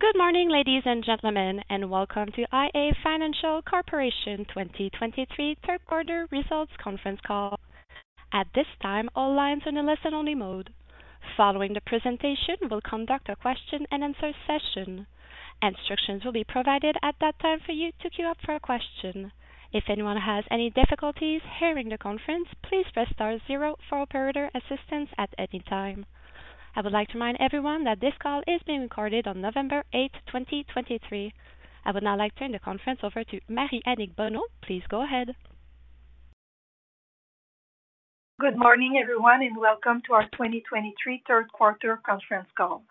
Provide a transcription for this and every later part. Good morning, ladies and gentlemen, and welcome to iA Financial Corporation 2023 third quarter results conference call. At this time, all lines are in a listen-only mode. Following the presentation, we'll conduct a question-and-answer session. Instructions will be provided at that time for you to queue up for a question. If anyone has any difficulties hearing the conference, please press star zero for operator assistance at any time. I would like to remind everyone that this call is being recorded on November 8, 2023. I would now like to turn the conference over to Marie-Annick Bonneau. Please go ahead. Good morning, everyone, and welcome to our 2023 third quarter conference call.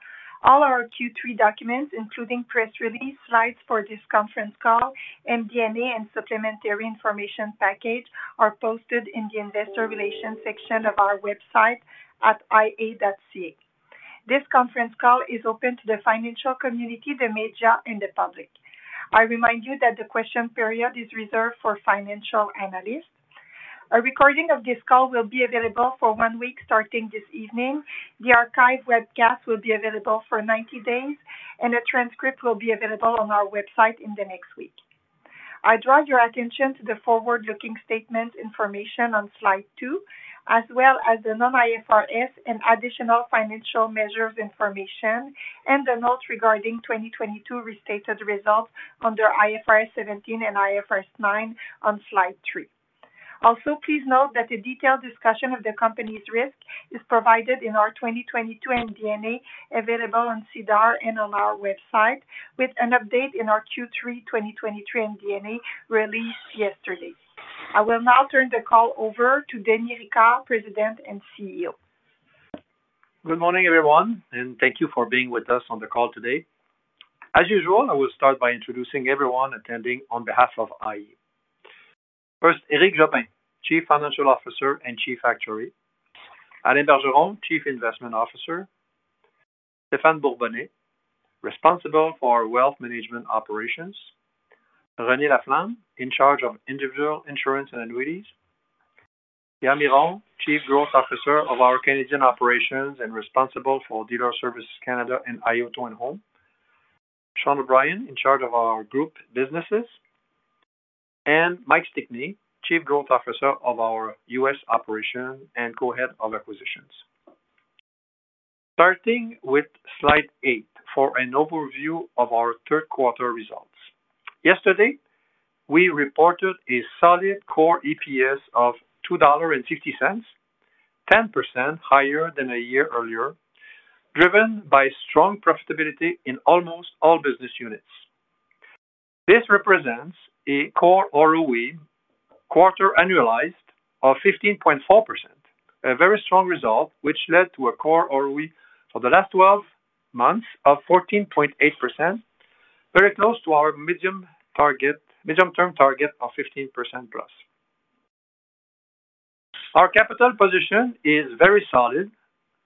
All our Q3 documents, including press release, slides for this conference call, MD&A, and supplementary information package, are posted in the investor relations section of our website at ia.ca. This conference call is open to the financial community, the media, and the public. I remind you that the question period is reserved for financial analysts. A recording of this call will be available for 1 week, starting this evening. The archived webcast will be available for 90 days, and a transcript will be available on our website in the next week. I draw your attention to the forward-looking statement information on slide 2, as well as the non-IFRS and additional financial measures information, and the notes regarding 2022 restated results under IFRS 17 and IFRS 9 on slide 3. Also, please note that a detailed discussion of the company's risk is provided in our 2022 MD&A, available on SEDAR and on our website, with an update in our Q3 2023 MD&A released yesterday. I will now turn the call over to Denis Ricard, President and CEO. Good morning, everyone, and thank you for being with us on the call today. As usual, I will start by introducing everyone attending on behalf of iA. First, Éric Jobin, Chief Financial Officer and Chief Actuary. Alain Bergeron, Chief Investment Officer. Stéphane Bourbonnais, responsible for our wealth management operations. René Laflamme, in charge of individual insurance and annuities. Pierre Miron, Chief Growth Officer of our Canadian operations and responsible for Dealer Services Canada and iA Auto and Home. Sean O'Brien, in charge of our group businesses, and Mike Stickney, Chief Growth Officer of our U.S. operations and co-head of acquisitions. Starting with slide 8 for an overview of our third quarter results. Yesterday, we reported a solid core EPS of 2.50 dollars, 10% higher than a year earlier, driven by strong profitability in almost all business units. This represents a Core ROE, quarter annualized of 15.4%, a very strong result, which led to a Core ROE for the last 12 months of 14.8%, very close to our medium-term target of 15% plus. Our capital position is very solid,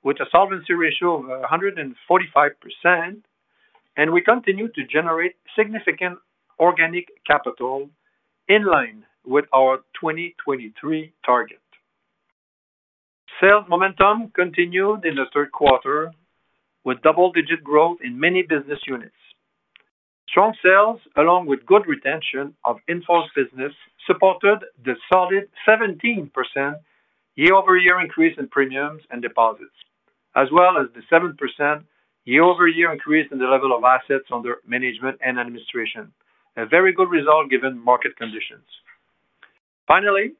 with a Solvency Ratio of 145%, and we continue to generate significant organic capital in line with our 2023 target. Sales momentum continued in the third quarter, with double-digit growth in many business units. Strong sales, along with good retention of in-force business, supported the solid 17% year-over-year increase in premiums and deposits, as well as the 7% year-over-year increase in the level of assets under management and administration. A very good result, given market conditions. Finally,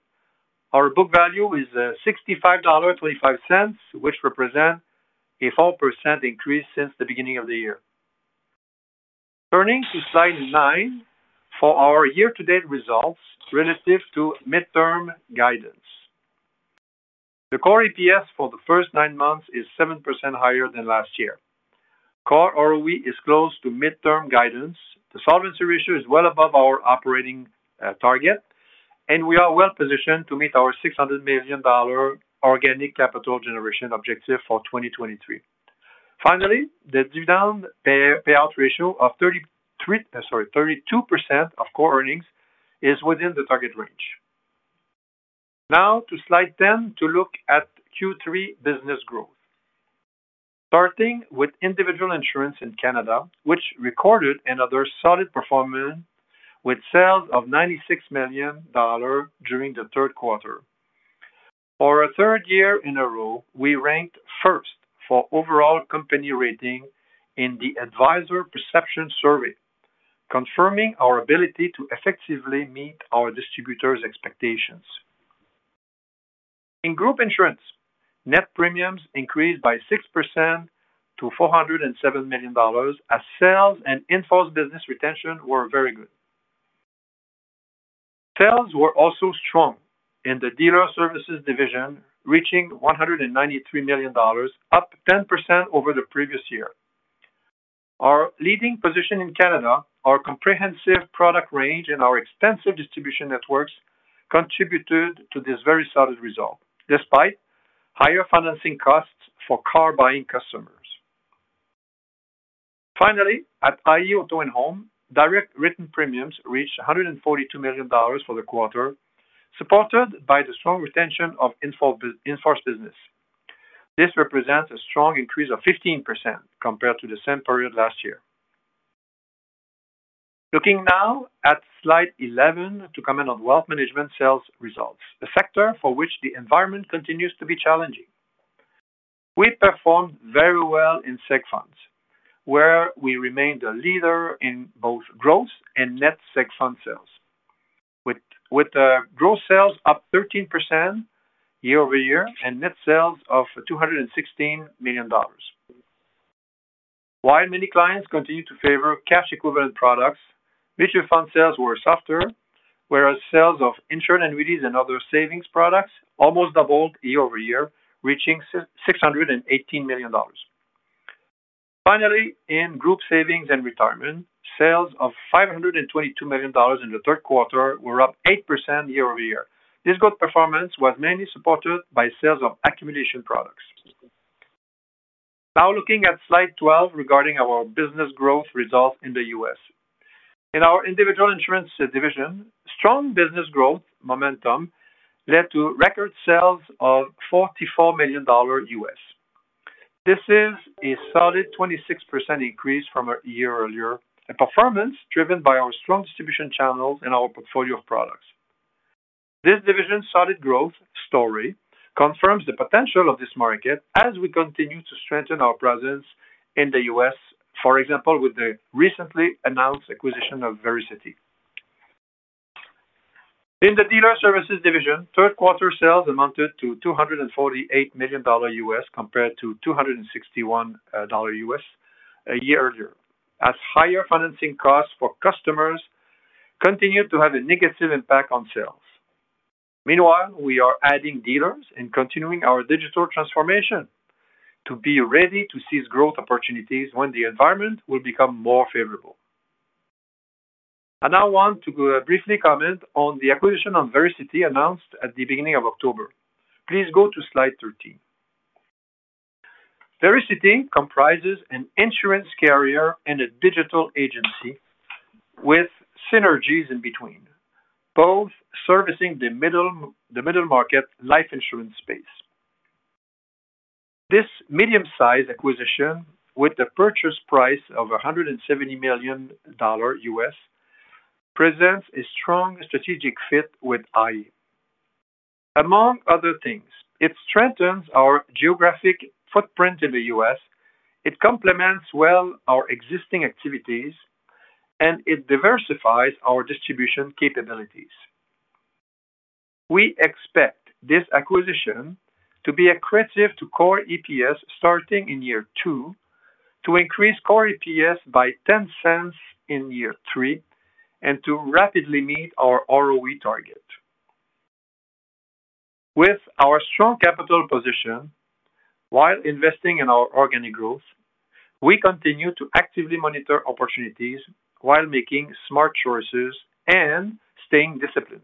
our book value is 65.25 dollars, which represents a 4% increase since the beginning of the year. Turning to slide 9 for our year-to-date results relative to midterm guidance. The core EPS for the first 9 months is 7% higher than last year. Core ROE is close to midterm guidance. The solvency ratio is well above our operating target, and we are well positioned to meet our 600 million dollar organic capital generation objective for 2023. Finally, the dividend payout ratio of 32% of core earnings is within the target range. Now to slide 10, to look at Q3 business growth. Starting with individual insurance in Canada, which recorded another solid performance with sales of 96 million dollars during the third quarter. For a third year in a row, we ranked first for overall company rating in the Advisor Perception Survey, confirming our ability to effectively meet our distributors' expectations. In Group Insurance, net premiums increased by 6% to 407 million dollars, as sales and in-force business retention were very good. Sales were also strong in the Dealer Services division, reaching 193 million dollars, up 10% over the previous year. Our leading position in Canada, our comprehensive product range, and our extensive distribution networks contributed to this very solid result, despite higher financing costs for car-buying customers. Finally, at iA Auto and Home, direct written premiums reached CAD 142 million for the quarter, supported by the strong retention of in-force business. This represents a strong increase of 15% compared to the same period last year. Looking now at slide 11 to comment on wealth management sales results, a sector for which the environment continues to be challenging. We performed very well in seg funds, where we remained a leader in both growth and net seg fund sales, with growth sales up 13% year-over-year and net sales of 216 million dollars. While many clients continue to favor cash equivalent products, mutual fund sales were softer, whereas sales of insured annuities and other savings products almost doubled year-over-year, reaching 618 million dollars. Finally, in group savings and retirement, sales of 522 million dollars in the third quarter were up 8% year-over-year. This good performance was mainly supported by sales of accumulation products. Now looking at slide 12 regarding our business growth results in the U.S. In our individual insurance division, strong business growth momentum led to record sales of $44 million. This is a solid 26% increase from a year earlier, a performance driven by our strong distribution channels and our portfolio of products. This division's solid growth story confirms the potential of this market as we continue to strengthen our presence in the U.S., for example, with the recently announced acquisition of Vericity. In the dealer services division, third quarter sales amounted to $248 million, compared to $261 million a year earlier, as higher financing costs for customers continued to have a negative impact on sales. Meanwhile, we are adding dealers and continuing our digital transformation to be ready to seize growth opportunities when the environment will become more favorable. I now want to briefly comment on the acquisition of Vericity, announced at the beginning of October. Please go to slide 13. Vericity comprises an insurance carrier and a digital agency with synergies in between, both servicing the middle market life insurance space. This medium-sized acquisition, with a purchase price of $170 million, presents a strong strategic fit with iA. Among other things, it strengthens our geographic footprint in the U.S., it complements well our existing activities, and it diversifies our distribution capabilities. We expect this acquisition to be accretive to core EPS, starting in year 2, to increase core EPS by 0.10 in year 3, and to rapidly meet our ROE target. With our strong capital position, while investing in our organic growth, we continue to actively monitor opportunities while making smart choices and staying disciplined.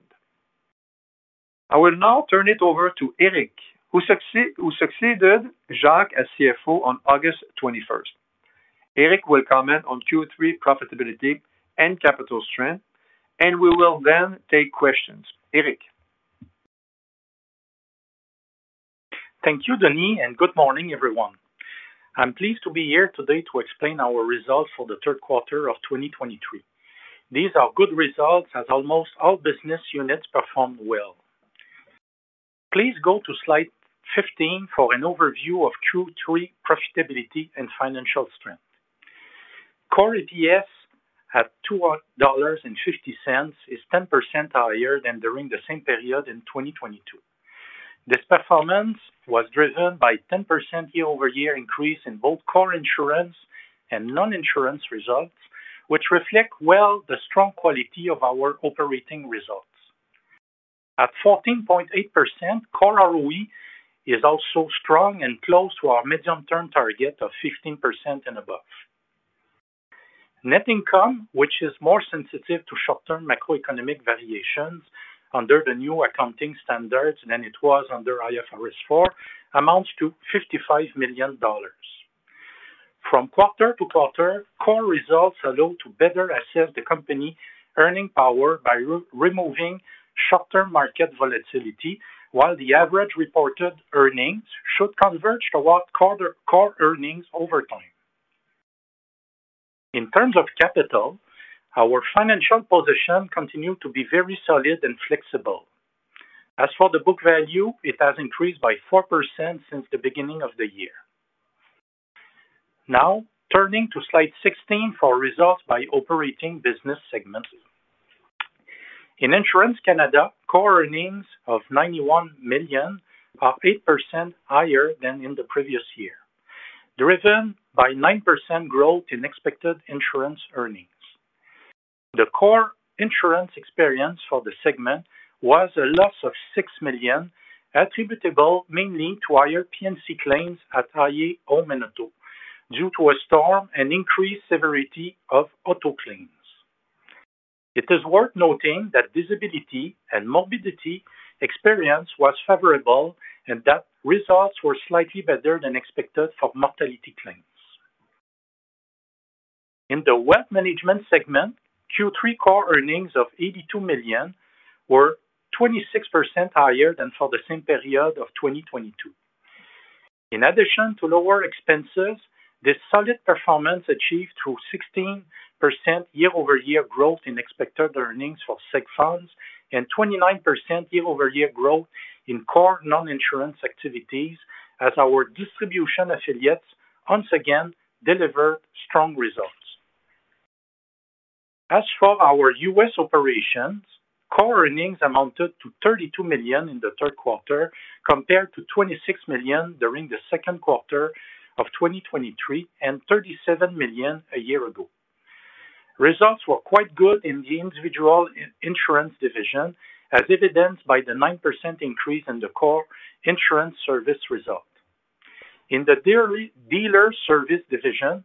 I will now turn it over to Éric, who succeeded Jacques as CFO on August twenty-first. Éric will comment on Q3 profitability and capital strength, and we will then take questions. Éric? Thank you, Denis, and good morning, everyone. I'm pleased to be here today to explain our results for the third quarter of 2023. These are good results, as almost all business units performed well. Please go to slide 15 for an overview of Q3 profitability and financial strength. Core EPS at CAD 2.50 is 10% higher than during the same period in 2022. This performance was driven by 10% year-over-year increase in both core insurance and non-insurance results, which reflect well the strong quality of our operating results. At 14.8%, core ROE is also strong and close to our medium-term target of 15% and above. Net income, which is more sensitive to short-term macroeconomic variations under the new accounting standards than it was under IFRS 4, amounts to 55 million dollars. From quarter to quarter, core results allow to better assess the company earning power by re-removing shorter market volatility, while the average reported earnings should converge toward quarter core earnings over time. In terms of capital, our financial position continued to be very solid and flexible. As for the book value, it has increased by 4% since the beginning of the year. Now, turning to slide 16 for results by operating business segments. In Insurance, Canada, core earnings of 91 million are 8% higher than in the previous year, driven by 9% growth in expected insurance earnings. The core insurance experience for the segment was a loss of 6 million, attributable mainly to higher P&C claims at iA Auto and Home due to a storm and increased severity of auto claims. It is worth noting that disability and morbidity experience was favorable and that results were slightly better than expected for mortality claims... In the wealth management segment, Q3 core earnings of 82 million were 26% higher than for the same period of 2022. In addition to lower expenses, this solid performance achieved through 16% year-over-year growth in expected earnings for Seg Funds and 29% year-over-year growth in core non-insurance activities as our distribution affiliates once again delivered strong results. As for our U.S. operations, core earnings amounted to 32 million in the third quarter, compared to 26 million during the second quarter of 2023, and 37 million a year ago. Results were quite good in the individual insurance division, as evidenced by the 9% increase in the core insurance service result. In the dealer services division,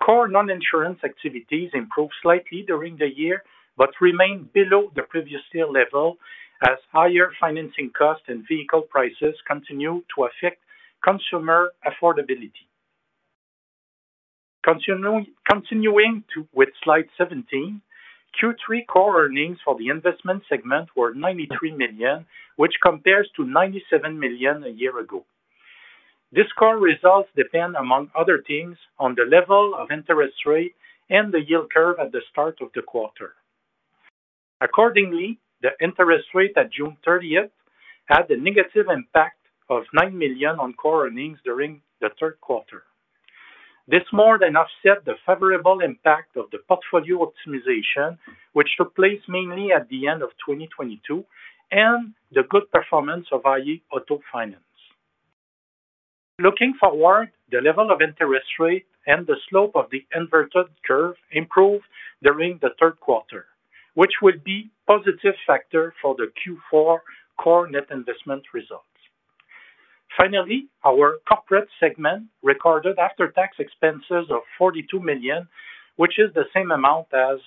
core non-insurance activities improved slightly during the year, but remained below the previous year level as higher financing costs and vehicle prices continued to affect consumer affordability. Continuing with slide 17, Q3 core earnings for the investment segment were 93 million, which compares to 97 million a year ago. These core results depend, among other things, on the level of interest rate and the yield curve at the start of the quarter. Accordingly, the interest rate at June thirtieth had a negative impact of 9 million on core earnings during the third quarter. This more than offset the favorable impact of the portfolio optimization, which took place mainly at the end of 2022, and the good performance of iA Auto Finance. Looking forward, the level of interest rate and the slope of the inverted curve improved during the third quarter, which will be a positive factor for the Q4 core net investment results. Finally, our corporate segment recorded after-tax expenses of 42 million, which is the same amount as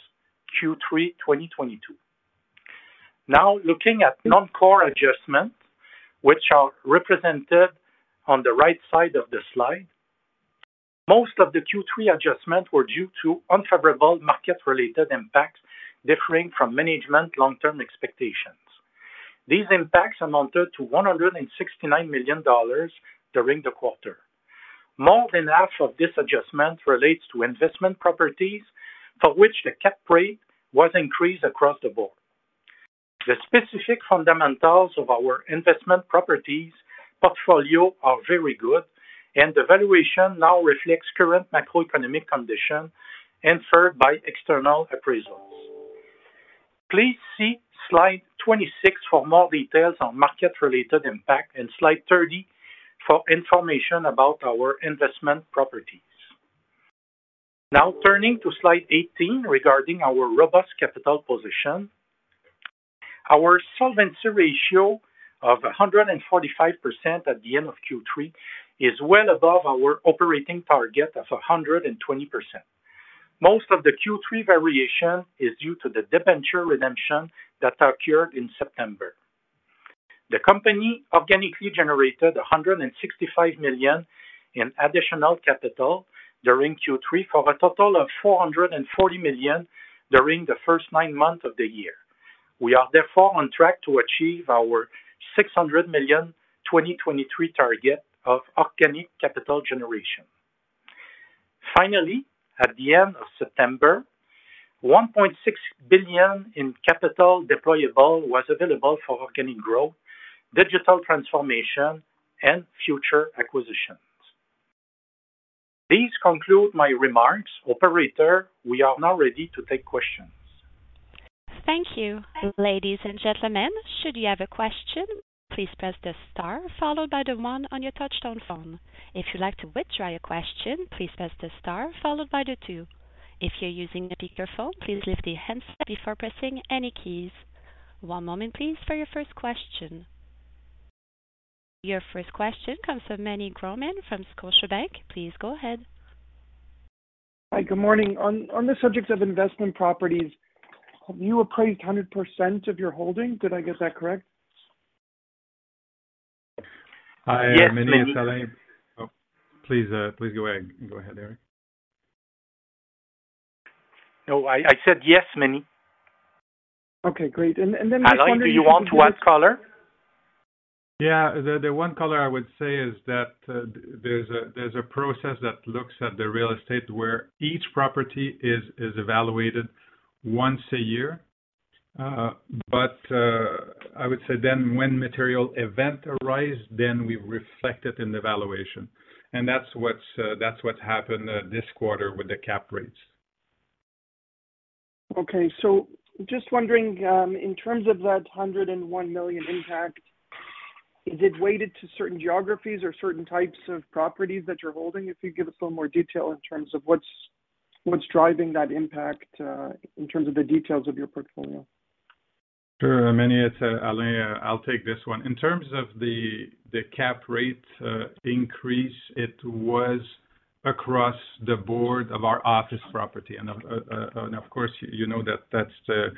Q3 2022. Now, looking at non-core adjustments, which are represented on the right side of the slide, most of the Q3 adjustments were due to unfavorable market-related impacts differing from management long-term expectations. These impacts amounted to 169 million dollars during the quarter. More than half of this adjustment relates to investment properties, for which the cap rate was increased across the board. The specific fundamentals of our investment properties portfolio are very good, and the valuation now reflects current macroeconomic conditions inferred by external appraisals. Please see slide 26 for more details on market-related impact and slide 30 for information about our investment properties. Now turning to slide 18 regarding our robust capital position. Our solvency ratio of 145% at the end of Q3 is well above our operating target of 120%. Most of the Q3 variation is due to the debenture redemption that occurred in September. The company organically generated 165 million in additional capital during Q3, for a total of 440 million during the first nine months of the year. We are therefore on track to achieve our 600 million 2023 target of organic capital generation. Finally, at the end of September, 1.6 billion in capital deployable was available for organic growth, digital transformation, and future acquisitions. This conclude my remarks. Operator, we are now ready to take questions. Thank you. Ladies and gentlemen, should you have a question, please press the star followed by the one on your touchtone phone. If you'd like to withdraw your question, please press the star followed by the two. If you're using a speakerphone, please lift your handset before pressing any keys. One moment, please, for your first question. Your first question comes from Meny Grauman from Scotiabank. Please go ahead. Hi, good morning. On the subject of investment properties, you appraised 100% of your holdings. Did I get that correct? Hi, Manny, it's Alain. Oh, please, please go ahead, go ahead, Éric. No, I said yes, Manny. Okay, great. And, and then- Alain, do you want to add color? Yeah, the one color I would say is that there's a process that looks at the real estate where each property is evaluated once a year. But I would say then when material event arise, then we reflect it in the valuation. And that's what happened this quarter with the cap rates. Okay. So just wondering, in terms of that 101 million impact, is it weighted to certain geographies or certain types of properties that you're holding? If you give us a little more detail in terms of what's driving that impact, in terms of the details of your portfolio. Sure, Manny, it's Alain. I'll take this one. In terms of the cap rate increase, it was across the board of our office property. And of course, you know that that's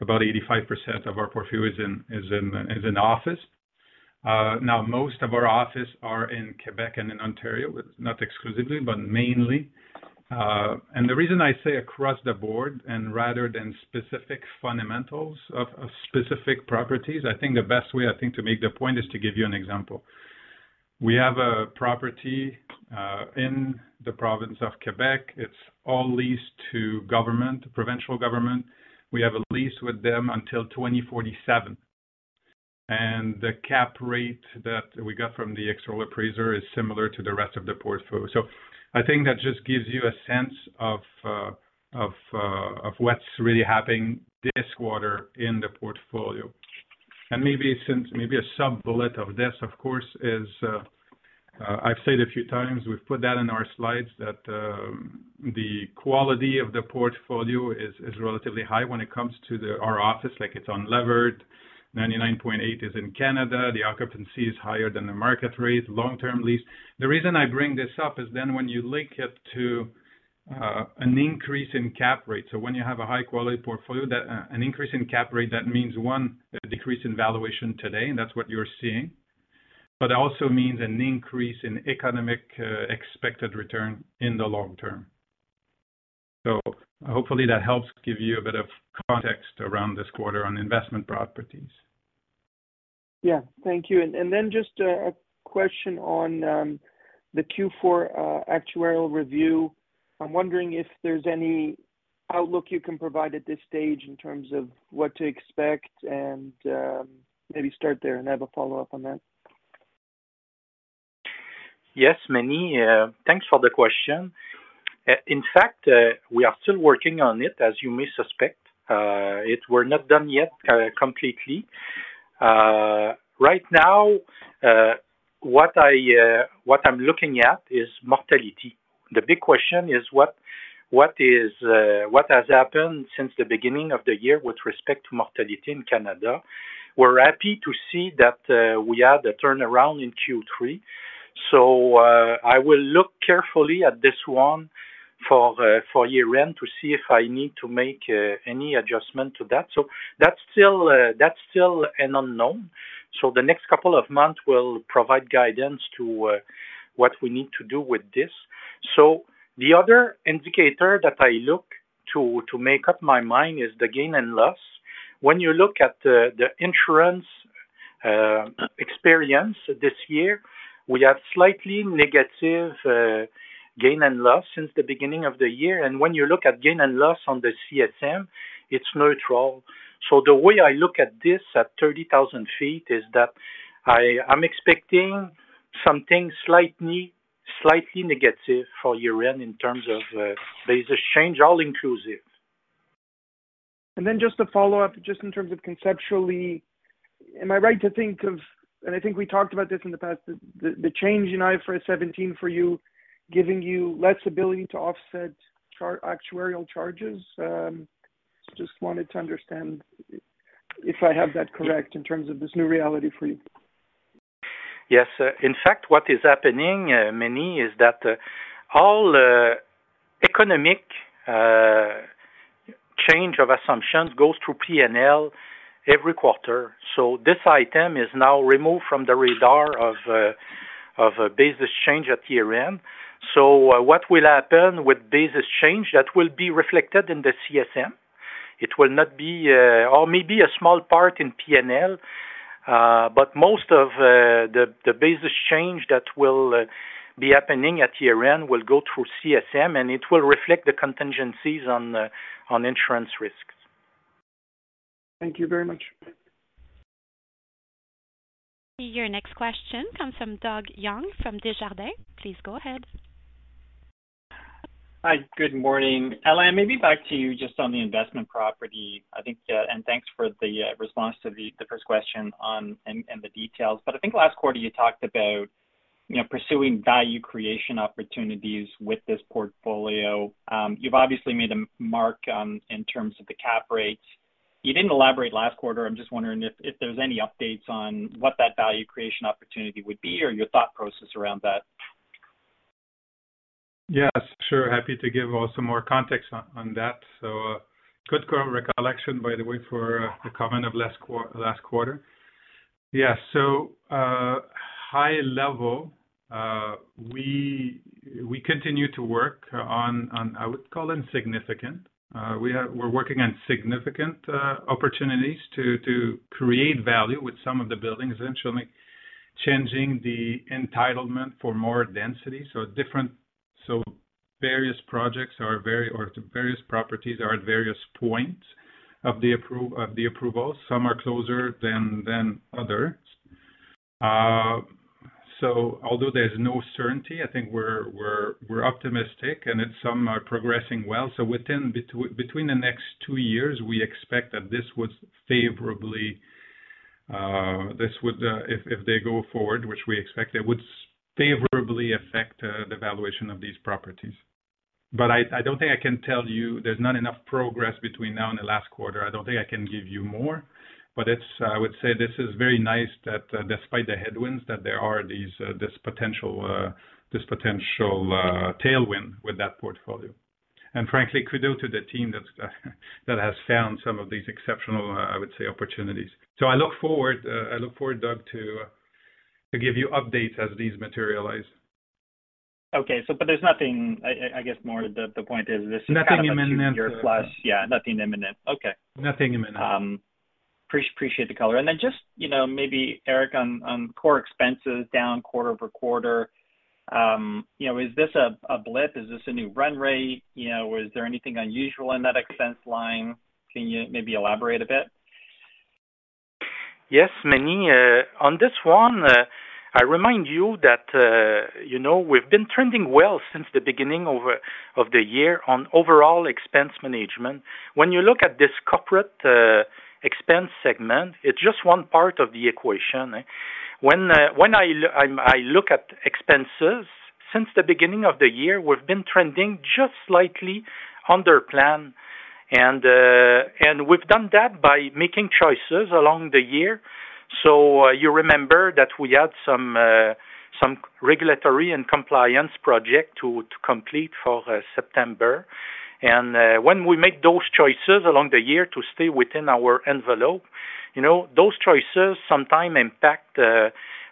about 85% of our portfolio is in office. Now most of our offices are in Quebec and in Ontario, with not exclusively, but mainly. And the reason I say across the board, and rather than specific fundamentals of specific properties, I think the best way, I think, to make the point is to give you an example. We have a property in the province of Quebec. It's all leased to government, provincial government. We have a lease with them until 2047, and the cap rate that we got from the external appraiser is similar to the rest of the portfolio. So I think that just gives you a sense of what's really happening this quarter in the portfolio. And maybe since, maybe a sub-bullet of this, of course, is, I've said a few times, we've put that in our slides, that the quality of the portfolio is relatively high when it comes to our office, like, it's unlevered, 99.8 is in Canada, the occupancy is higher than the market rate, long-term lease. The reason I bring this up is then when you link it to an increase in cap rate, so when you have a high-quality portfolio, that an increase in cap rate, that means, one, a decrease in valuation today, and that's what you're seeing. But it also means an increase in economic expected return in the long term. Hopefully that helps give you a bit of context around this quarter on investment properties. Yeah, thank you. And then just a question on the Q4 actuarial review. I'm wondering if there's any outlook you can provide at this stage in terms of what to expect and maybe start there, and I have a follow-up on that. Yes, Manny, thanks for the question. In fact, we are still working on it, as you may suspect. It, we're not done yet, completely. Right now, what I'm looking at is mortality. The big question is what has happened since the beginning of the year with respect to mortality in Canada? We're happy to see that we had a turnaround in Q3, so I will look carefully at this one for year-end to see if I need to make any adjustment to that. So that's still an unknown. So the next couple of months will provide guidance to what we need to do with this. So the other indicator that I look to to make up my mind is the gain and loss. When you look at the insurance experience this year, we have slightly negative gain and loss since the beginning of the year. And when you look at gain and loss on the CSM, it's neutral. So the way I look at this at thirty thousand feet is that I'm expecting something slightly, slightly negative for year-end in terms of basis change, all inclusive. And then just to follow up, just in terms of conceptually, am I right to think of, and I think we talked about this in the past, the change in IFRS 17 for you, giving you less ability to offset certain actuarial charges? Just wanted to understand if I have that correct in terms of this new reality for you. Yes. In fact, what is happening, Manny, is that all economic change of assumptions goes through P&L every quarter. So this item is now removed from the radar of a business change at year-end. So what will happen with business change, that will be reflected in the CSM. It will not be, or maybe a small part in P&L, but most of the business change that will be happening at year-end will go through CSM, and it will reflect the contingencies on the insurance risks. Thank you very much. Your next question comes from Doug Young, from Desjardins. Please go ahead. Hi. Good morning. Alain, maybe back to you just on the investment property. I think, and thanks for the, response to the, the first question on, and, and the details. But I think last quarter you talked about, you know, pursuing value creation opportunities with this portfolio. You've obviously made a mark, in terms of the cap rates. You didn't elaborate last quarter. I'm just wondering if, if there's any updates on what that value creation opportunity would be or your thought process around that. Yes, sure. Happy to give also more context on that. So, good recollection, by the way, for the comment of last quarter. Yeah, so, high level, we continue to work on, I would call them, significant. We're working on significant opportunities to create value with some of the buildings, eventually changing the entitlement for more density. So various projects or various properties are at various points of the approval. Some are closer than others. So although there's no certainty, I think we're optimistic, and then some are progressing well. So within between the next two years, we expect that this would favorably this would, if they go forward, which we expect, it would favorably affect the valuation of these properties. But I don't think I can tell you, there's not enough progress between now and the last quarter. I don't think I can give you more, but it's, I would say this is very nice that, despite the headwinds, that there are these, this potential tailwind with that portfolio.... And frankly, kudos to the team that has found some of these exceptional, I would say, opportunities. So I look forward, Doug, to give you updates as these materialize. Okay. So but there's nothing—I guess, more the point is this is- Nothing imminent. Yeah, nothing imminent. Okay. Nothing imminent. Appreciate, appreciate the color. And then just, you know, maybe, Éric, on, on core expenses down quarter-over-quarter, you know, is this a, a blip? Is this a new run rate? You know, was there anything unusual in that expense line? Can you maybe elaborate a bit? Yes, many. On this one, I remind you that, you know, we've been trending well since the beginning of the year on overall expense management. When you look at this corporate expense segment, it's just one part of the equation. When I look at expenses, since the beginning of the year, we've been trending just slightly under plan, and we've done that by making choices along the year. So, you remember that we had some regulatory and compliance project to complete for September. And, when we make those choices along the year to stay within our envelope, you know, those choices sometimes impact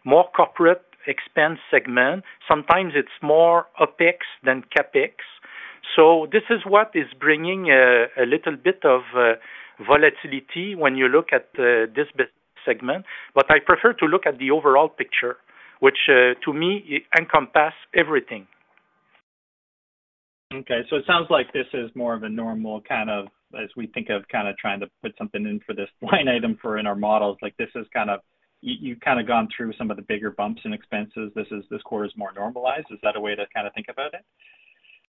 more corporate expense segment. Sometimes it's more OpEx than CapEx. So this is what is bringing a little bit of volatility when you look at this segment. But I prefer to look at the overall picture, which to me, it encompass everything. Okay, so it sounds like this is more of a normal kind of... As we think of, kind of, trying to put something in for this line item in our models, like, this is kind of-- you've kind of gone through some of the bigger bumps and expenses. This quarter is more normalized. Is that a way to kind of think about it?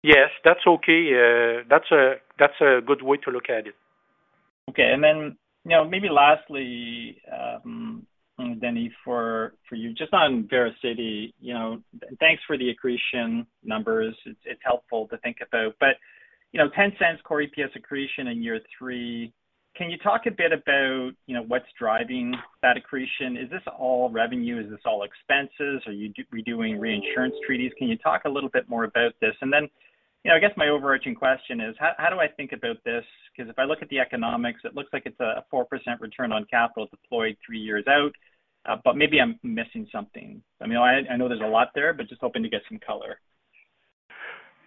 Yes, that's okay. That's a, that's a good way to look at it. Okay. And then, you know, maybe lastly, Denis, for you, just on Vericity, you know, thanks for the accretion numbers. It's helpful to think about. But, you know, 0.10 core EPS accretion in year three. Can you talk a bit about, you know, what's driving that accretion? Is this all revenue? Is this all expenses? Are you redoing reinsurance treaties? Can you talk a little bit more about this? And then, you know, I guess my overarching question is, how do I think about this? Because if I look at the economics, it looks like it's a 4% return on capital deployed three years out, but maybe I'm missing something. I mean, I know there's a lot there, but just hoping to get some color.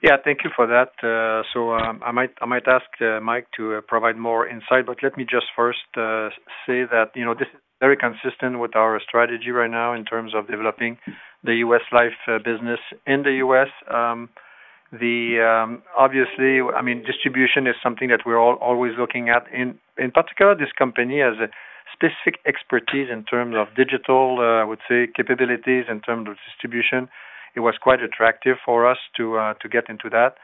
Yeah, thank you for that. So, I might ask Mike to provide more insight, but let me just first say that, you know, this is very consistent with our strategy right now in terms of developing the U.S. life business in the U.S. Obviously, I mean, distribution is something that we're always looking at. In particular, this company has a specific expertise in terms of digital, I would say, capabilities in terms of distribution. It was quite attractive for us to get into that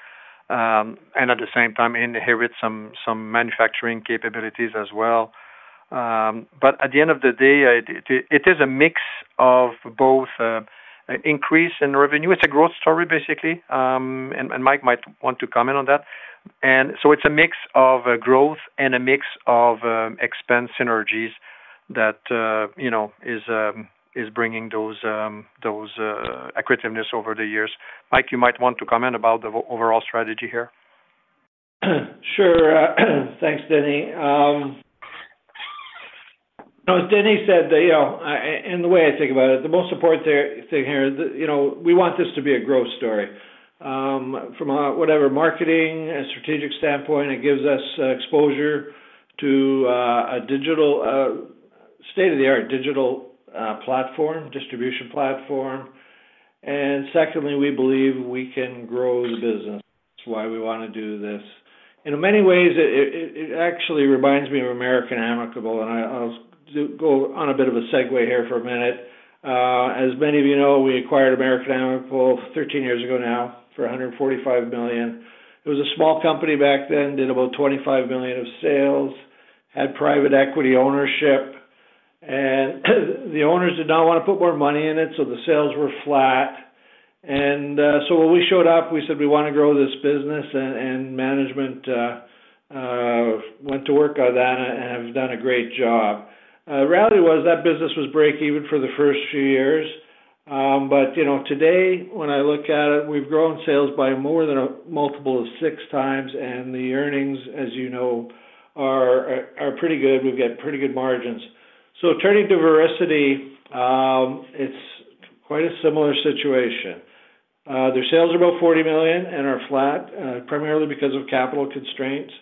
and at the same time inherit some manufacturing capabilities as well. But at the end of the day, it is a mix of both, increase in revenue. It's a growth story, basically, and Mike might want to comment on that. So it's a mix of growth and a mix of expense synergies that, you know, is bringing that accretiveness over the years. Mike, you might want to comment about the overall strategy here. Sure. Thanks, Denis. As Denis said, and the way I think about it, the most important thing here is that, you know, we want this to be a growth story. From a whatever, marketing and strategic standpoint, it gives us exposure to a digital state-of-the-art digital platform, distribution platform. And secondly, we believe we can grow the business. That's why we want to do this. In many ways, it actually reminds me of American Amicable, and I'll go on a bit of a segue here for a minute. As many of you know, we acquired American Amicable 13 years ago now for $145 million. It was a small company back then, did about $25 million of sales, had private equity ownership, and the owners did not want to put more money in it, so the sales were flat. So when we showed up, we said: We want to grow this business. Management went to work on that and have done a great job. Reality was that business was break even for the first few years. But, you know, today, when I look at it, we've grown sales by more than 6x, and the earnings, as you know, are pretty good. We've got pretty good margins. So turning to Vericity, it's quite a similar situation. Their sales are about $40 million and are flat, primarily because of capital constraints.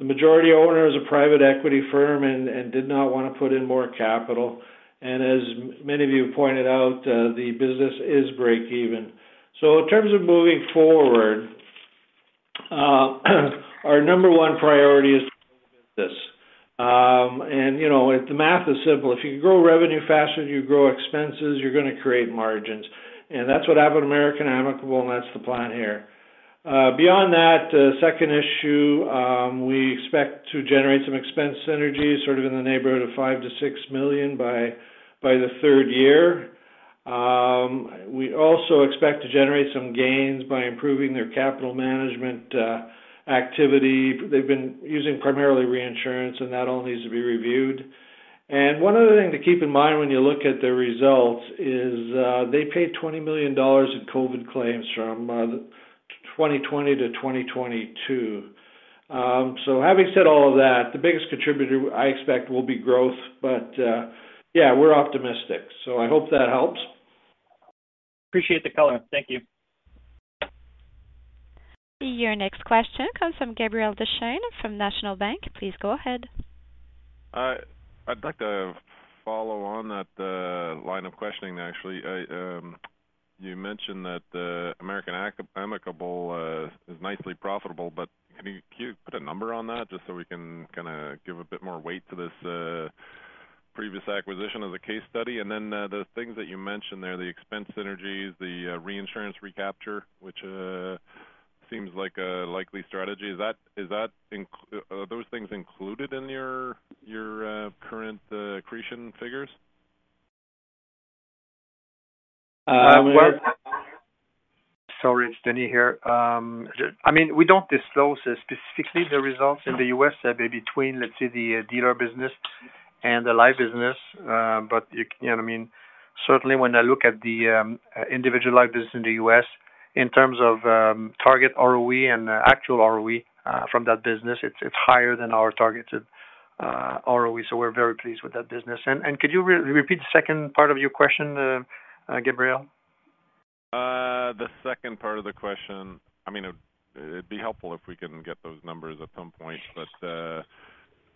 The majority owner is a private equity firm and did not want to put in more capital. As many of you pointed out, the business is breakeven. In terms of moving forward, our number one priority is this. You know, the math is simple. If you grow revenue faster than you grow expenses, you're gonna create margins. And that's what happened at American Amicable, and that's the plan here. Beyond that, second issue, we expect to generate some expense synergies sort of in the neighborhood of $5 million-$6 million by the third year. We also expect to generate some gains by improving their capital management activity. They've been using primarily reinsurance, and that all needs to be reviewed. One other thing to keep in mind when you look at the results is, they paid 20 million dollars in COVID claims from 2020 to 2022. So having said all of that, the biggest contributor I expect will be growth. But, yeah, we're optimistic. So I hope that helps. Appreciate the color. Thank you. Your next question comes from Gabriel Deschênes, from National Bank. Please go ahead. I'd like to follow on that, line of questioning, actually. You mentioned that the American Amicable is nicely profitable, but can you, can you put a number on that just so we can kind of give a bit more weight to this, previous acquisition of the case study? And then, the things that you mentioned there, the expense synergies, the, reinsurance recapture, which, seems like a likely strategy. Are those things included in your, your, current, accretion figures? Uh, well- Sorry, it's Denis here. I mean, we don't disclose specifically the results in the US, they're between, let's say, the dealer business and the life business. But you know what I mean, certainly when I look at the individual life business in the US, in terms of target ROE and actual ROE from that business, it's higher than our targeted ROE, so we're very pleased with that business. And could you repeat the second part of your question, Gabriel? The second part of the question, I mean, it'd be helpful if we can get those numbers at some point, but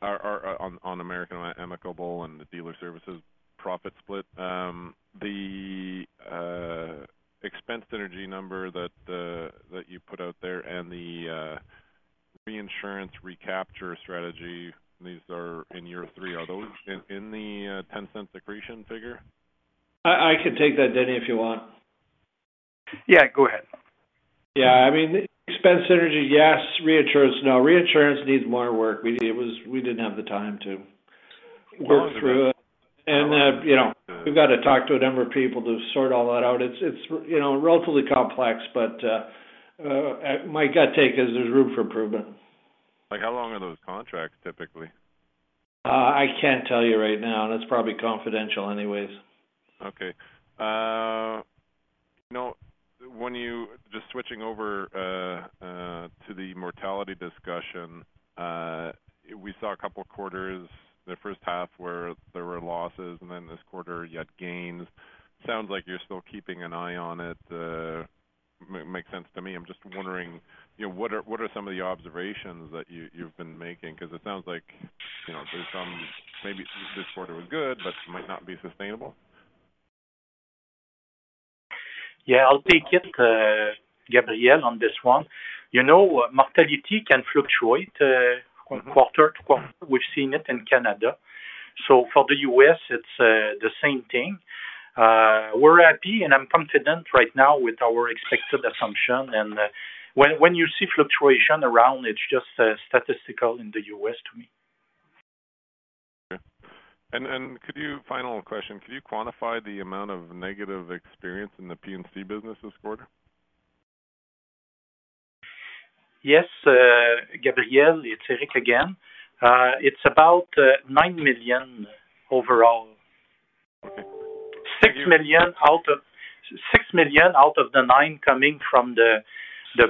are on American Amicable and the dealer services profit split, the expense synergy number that you put out there and the reinsurance recapture strategy, these are in year 3? Are those in the 0.10 accretion figure? I can take that, Denis, if you want. Yeah, go ahead. Yeah, I mean, expense synergy, yes. Reinsurance, no. Reinsurance needs more work. We didn't have the time to work through it. And, you know, we've got to talk to a number of people to sort all that out. It's, you know, relatively complex, but my gut take is there's room for improvement. Like, how long are those contracts typically? I can't tell you right now, and it's probably confidential anyways. Okay. You know, when you just switching over to the mortality discussion, we saw a couple of quarters the first half where there were losses, and then this quarter, you had gains. Sounds like you're still keeping an eye on it. Makes sense to me. I'm just wondering, you know, what are, what are some of the observations that you, you've been making? Because it sounds like, you know, there's some maybe this quarter was good, but might not be sustainable. Yeah, I'll take it, Gabriel, on this one. You know, mortality can fluctuate quarter to quarter. We've seen it in Canada. So for the U.S., it's the same thing. We're happy, and I'm confident right now with our expected assumption. And when you see fluctuation around, it's just statistical in the U.S. to me. Okay. And could you... Final question: Could you quantify the amount of negative experience in the P&C business this quarter? Yes, Gabriel, it's Éric again. It's about 9 million overall. Okay. 6 million out of the 9 million coming from the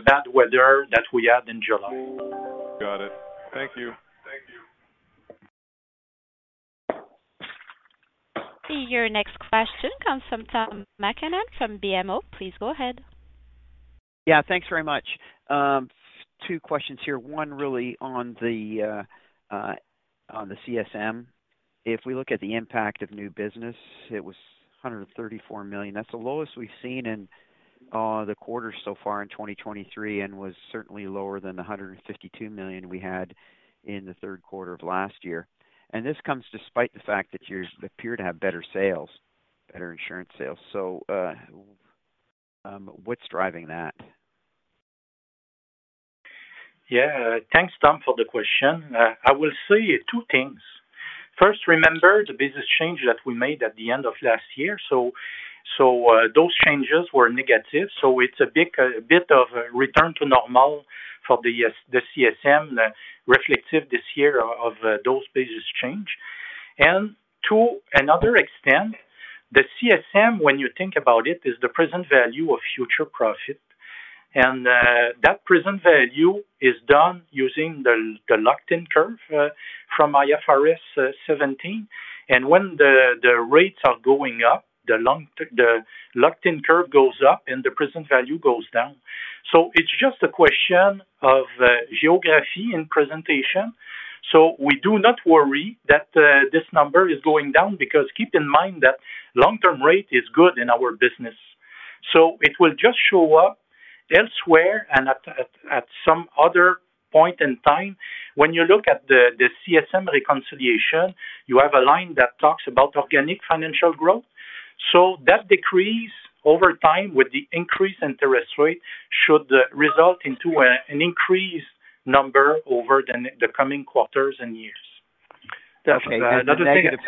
bad weather that we had in July. Got it. Thank you. Thank you. Your next question comes from Tom MacKinnon from BMO. Please go ahead. Yeah, thanks very much. Two questions here. One, really on the CSM. If we look at the impact of new business, it was 134 million. That's the lowest we've seen in the quarter so far in 2023, and was certainly lower than the 152 million we had in the third quarter of last year. And this comes despite the fact that you appear to have better sales, better insurance sales. So, what's driving that? Yeah. Thanks, Tom, for the question. I will say two things. First, remember the business change that we made at the end of last year? So those changes were negative, so it's a big, a bit of a return to normal for the CSM, reflective this year of those business change. And to another extent, the CSM, when you think about it, is the present value of future profit, and that present value is done using the locked-in curve from IFRS-17. And when the rates are going up, the locked-in curve goes up and the present value goes down. So it's just a question of geography and presentation. So we do not worry that this number is going down, because keep in mind that long-term rate is good in our business. So it will just show up elsewhere and at some other point in time. When you look at the CSM reconciliation, you have a line that talks about organic financial growth. So that decrease over time, with the increase in interest rate, should result into an increased number over the coming quarters and years. Okay, and the negative-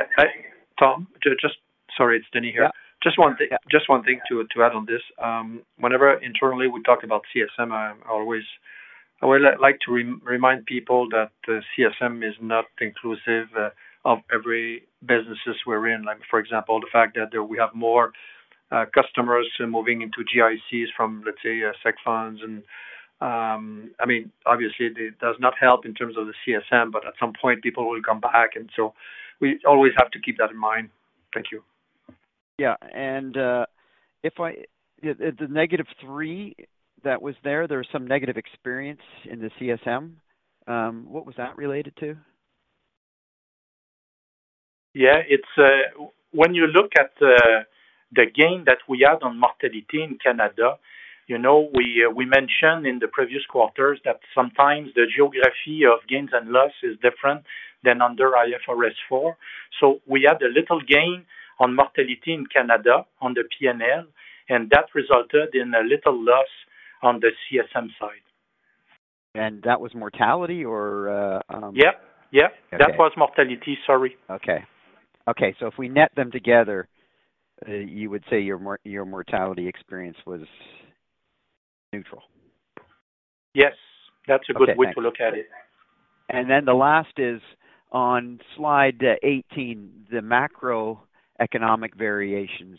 Tom, just... Sorry, it's Denis here. Yeah. Just one thing, just one thing to add on this. Whenever internally we talk about CSM, I'm always-... I would like to re-remind people that CSM is not inclusive of every businesses we're in. Like, for example, the fact that we have more, customers moving into GICs from, let's say, seg funds. And, I mean, obviously, it does not help in terms of the CSM, but at some point people will come back, and so we always have to keep that in mind. Thank you. Yeah. If the -3 that was there, there was some negative experience in the CSM. What was that related to? Yeah, it's when you look at the gain that we had on mortality in Canada, you know. We mentioned in the previous quarters that sometimes the geography of gains and loss is different than under IFRS 4. So we had a little gain on mortality in Canada on the P&L, and that resulted in a little loss on the CSM side. And that was mortality or. Yeah, yeah. Okay. That was mortality. Sorry. Okay. Okay, so if we net them together, you would say your mortality experience was neutral? Yes, that's a good- Okay, thanks. way to look at it. And then the last is on slide 18, the macroeconomic variations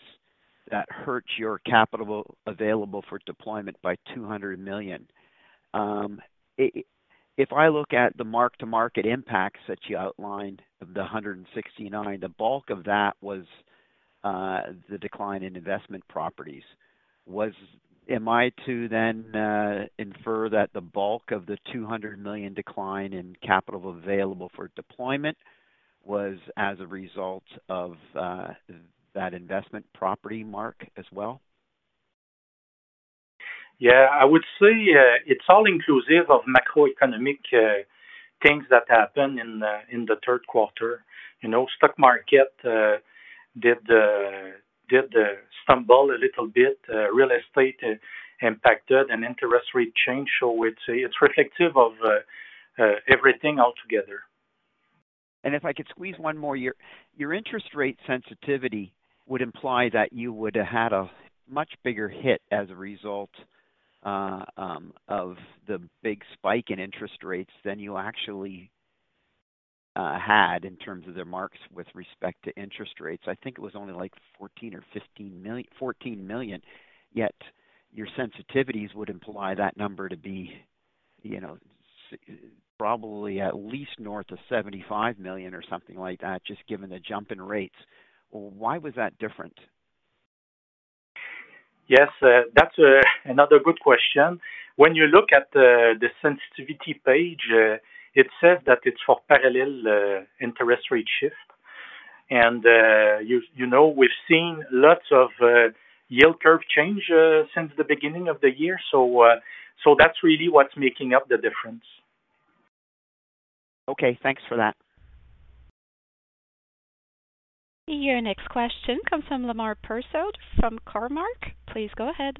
that hurt your capital available for deployment by 200 million. If I look at the mark-to-market impacts that you outlined, the 169, the bulk of that was, the decline in investment properties. Am I to then infer that the bulk of the 200 million decline in capital available for deployment was as a result of, that investment property mark as well? Yeah, I would say, it's all inclusive of macroeconomic things that happened in the third quarter. You know, stock market did stumble a little bit, real estate impacted an interest rate change. So we'd say it's reflective of everything altogether. If I could squeeze one more. Your interest rate sensitivity would imply that you would have had a much bigger hit as a result of the big spike in interest rates than you actually had in terms of the marks with respect to interest rates. I think it was only like 14 or 15 million—14 million, yet your sensitivities would imply that number to be, you know, probably at least north of 75 million or something like that, just given the jump in rates. Why was that different? Yes, that's another good question. When you look at the sensitivity page, it says that it's for parallel interest rate shift. And, you know, we've seen lots of yield curve change since the beginning of the year, so that's really what's making up the difference. Okay, thanks for that. Your next question comes from Lamar Persaud, from Cormark. Please go ahead.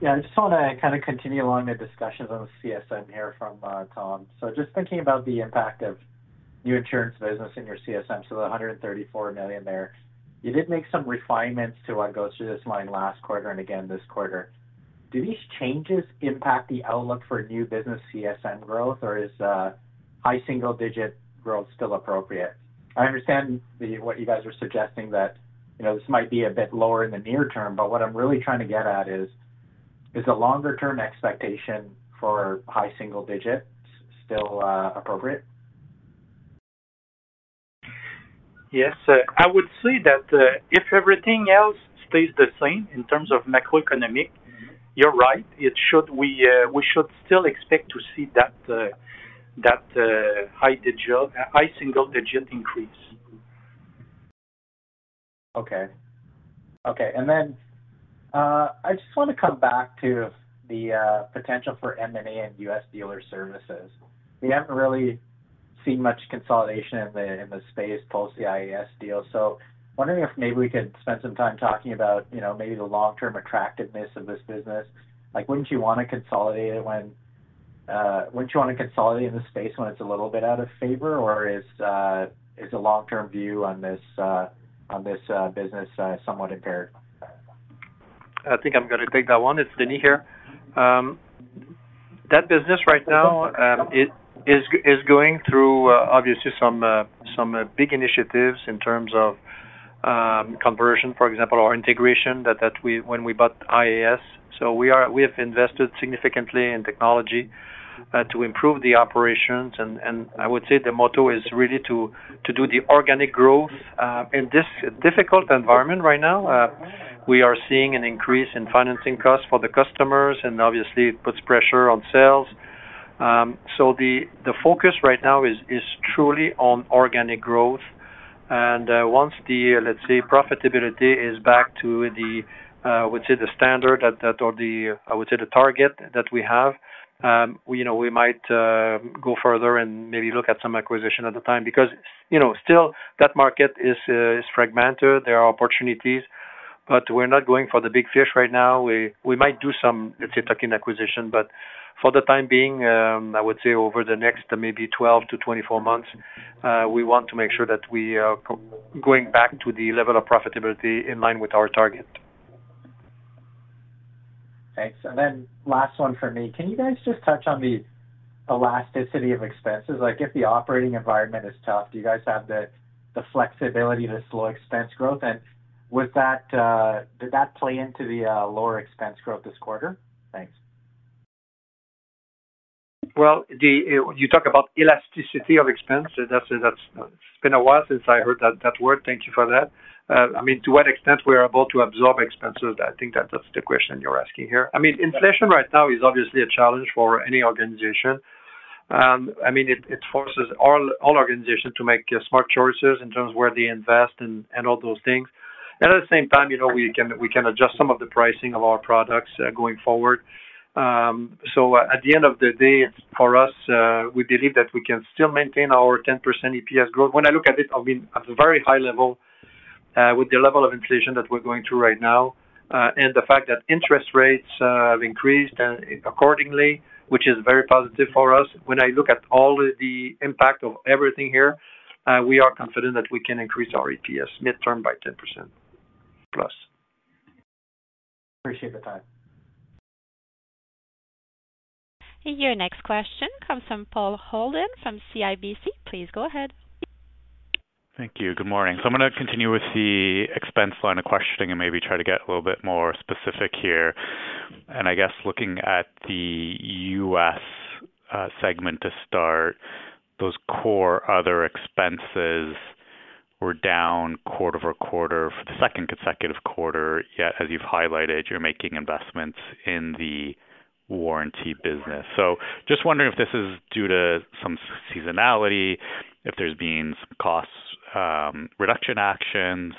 Yeah, I just want to kind of continue along the discussion of CSM here from Tom. So just thinking about the impact of new insurance business in your CSM, so the 134 million there, you did make some refinements to what goes through this line last quarter and again this quarter. Do these changes impact the outlook for new business CSM growth, or is high single digit growth still appropriate? I understand the what you guys are suggesting, that you know, this might be a bit lower in the near term, but what I'm really trying to get at is, is the longer term expectation for high single digits still appropriate? Yes. I would say that if everything else stays the same in terms of macroeconomic, you're right, it should, we, we should still expect to see that, that high digit, high single digit increase. Okay. Okay, and then I just want to come back to the potential for M&A and U.S. dealer services. We haven't really seen much consolidation in the space post the IAS deal, so wondering if maybe we could spend some time talking about, you know, maybe the long-term attractiveness of this business. Like, wouldn't you want to consolidate it when, wouldn't you want to consolidate in the space when it's a little bit out of favor? Or is the long-term view on this business somewhat impaired? I think I'm going to take that one. It's Denis here. That business right now, it is going through obviously some big initiatives in terms of conversion, for example, or integration, that we--when we bought IAS. So we are--we have invested significantly in technology to improve the operations, and I would say the motto is really to do the organic growth in this difficult environment right now. We are seeing an increase in financing costs for the customers, and obviously it puts pressure on sales. So the focus right now is truly on organic growth. Once the, let's say, profitability is back to the, I would say the standard that, that or the, I would say, the target that we have, we, you know, we might go further and maybe look at some acquisition at the time, because, you know, still that market is, is fragmented. There are opportunities, but we're not going for the big fish right now. We, we might do some, let's say, tuck-in acquisition, but for the time being, I would say over the next maybe 12-24 months, we want to make sure that we are co- going back to the level of profitability in line with our target. ... Thanks. And then last one for me. Can you guys just touch on the elasticity of expenses? Like, if the operating environment is tough, do you guys have the flexibility to slow expense growth? And with that, did that play into the lower expense growth this quarter? Thanks. Well, you talk about elasticity of expense. That's, it's been a while since I heard that word. Thank you for that. I mean, to what extent we are able to absorb expenses, I think that's the question you're asking here. I mean, inflation right now is obviously a challenge for any organization. I mean, it forces all organizations to make smart choices in terms of where they invest and all those things. And at the same time, you know, we can adjust some of the pricing of our products going forward. So at the end of the day, for us, we believe that we can still maintain our 10% EPS growth. When I look at it, I mean, at a very high level, with the level of inflation that we're going through right now, and the fact that interest rates have increased and accordingly, which is very positive for us. When I look at all the impact of everything here, we are confident that we can increase our EPS midterm by 10% plus. Appreciate the time. Your next question comes from Paul Holden from CIBC. Please go ahead. Thank you. Good morning. So I'm gonna continue with the expense line of questioning and maybe try to get a little bit more specific here. And I guess looking at the U.S. segment to start, those core other expenses were down quarter over quarter for the second consecutive quarter. Yet, as you've highlighted, you're making investments in the warranty business. So just wondering if this is due to some seasonality, if there's been costs reduction actions,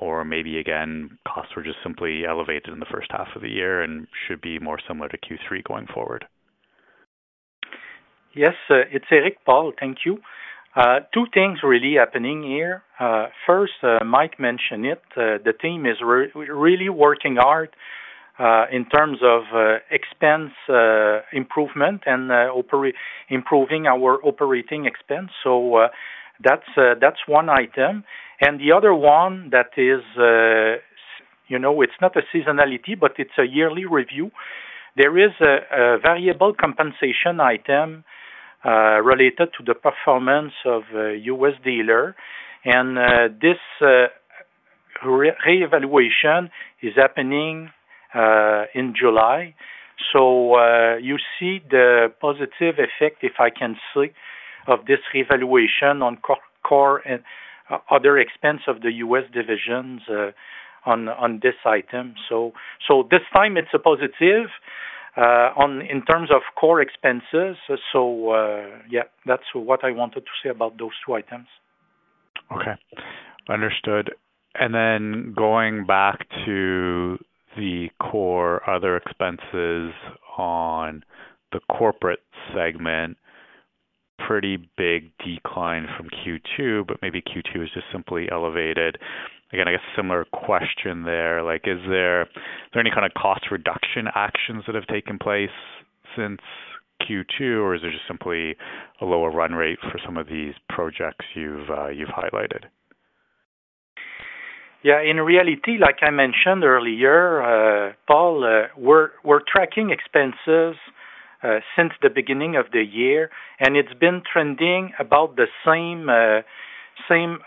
or maybe again, costs were just simply elevated in the first half of the year and should be more similar to Q3 going forward. Yes, it's Éric, Paul. Thank you. Two things really happening here. First, Mike mentioned it, the team is really working hard in terms of expense improvement and improving our operating expense. So, that's one item. And the other one that is, you know, it's not a seasonality, but it's a yearly review. There is a variable compensation item related to the performance of a U.S. dealer, and this reevaluation is happening in July. So, you see the positive effect, if I can say, of this revaluation on core and other expense of the U.S. divisions, on this item. So, this time it's a positive on... in terms of core expenses. So, yeah, that's what I wanted to say about those two items. Okay, understood. Then going back to the core, other expenses on the corporate segment, pretty big decline from Q2, but maybe Q2 is just simply elevated. Again, I guess similar question there, like, is there, are there any kind of cost reduction actions that have taken place since Q2, or is there just simply a lower run rate for some of these projects you've highlighted? Yeah, in reality, like I mentioned earlier, Paul, we're, we're tracking expenses since the beginning of the year, and it's been trending about the same, same,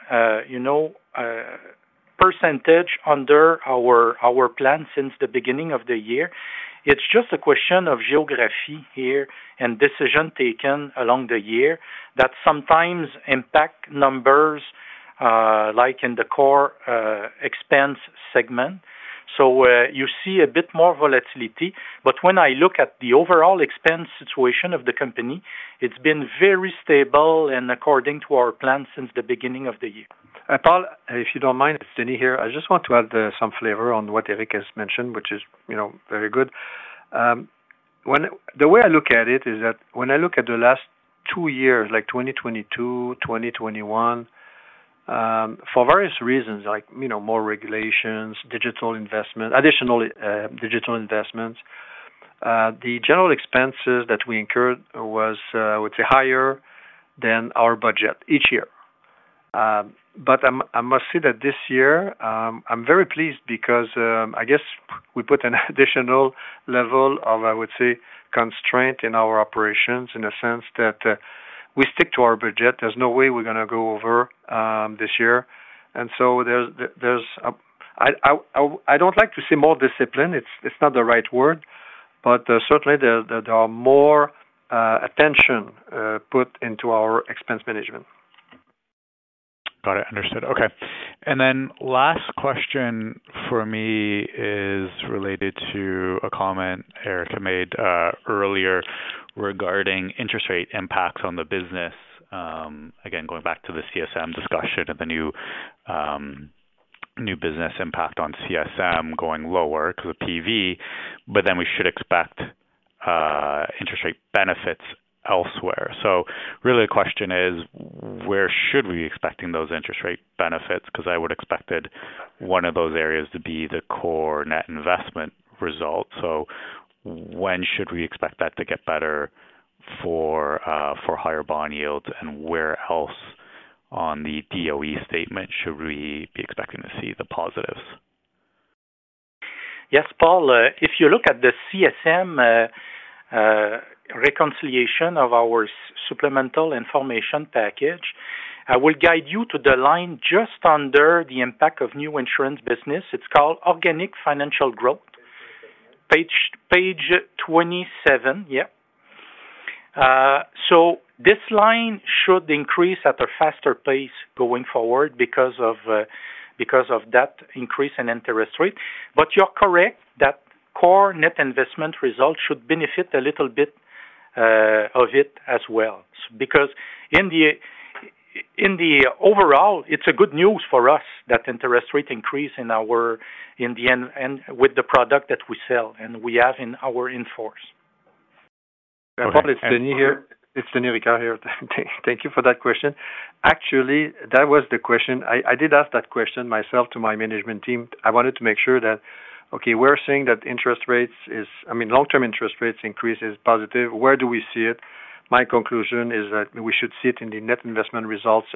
you know, percentage under our, our plan since the beginning of the year. It's just a question of geography here and decision taken along the year, that sometimes impact numbers, like in the core, expense segment. So, you see a bit more volatility, but when I look at the overall expense situation of the company, it's been very stable and according to our plan since the beginning of the year. Paul, if you don't mind, it's Denis here. I just want to add some flavor on what Eric has mentioned, which is, you know, very good. When the way I look at it is that when I look at the last two years, like 2022, 2021, for various reasons, like, you know, more regulations, digital investment, additional digital investments, the general expenses that we incurred was, I would say, higher than our budget each year. But I must say that this year, I'm very pleased because I guess we put an additional level of, I would say, constraint in our operations, in a sense that we stick to our budget. There's no way we're gonna go over this year. And so there's, there, there's I don't like to say more discipline. It's not the right word, but certainly there are more attention put into our expense management. Got it, understood. Okay. Then last question for me is related to a comment Éric made earlier regarding interest rate impacts on the business. Again, going back to the CSM discussion of the new business impact on CSM going lower because of PV, but then we should expect interest rate benefits elsewhere. So really, the question is, where should we be expecting those interest rate benefits? Because I would expect one of those areas to be the core net investment result. So when should we expect that to get better for higher bond yields, and where else on the P&L statement should we be expecting to see the positives? Yes, Paul, if you look at the CSM reconciliation of our supplemental information package, I will guide you to the line just under the impact of new insurance business. It's called organic financial growth. Page 27. Yeah. So this line should increase at a faster pace going forward because of, because of that increase in interest rate. But you're correct that core net investment results should benefit a little bit of it as well. Because in the, in the overall, it's a good news for us, that interest rate increase in our - in the end, and with the product that we sell and we have in our in-force. Paul, it's Denis here. It's Denis Ricard here. Thank you for that question. Actually, that was the question—I, I did ask that question myself to my management team. I wanted to make sure that, okay, we're seeing that interest rates is, I mean, long-term interest rates increase is positive. Where do we see it? My conclusion is that we should see it in the net investment results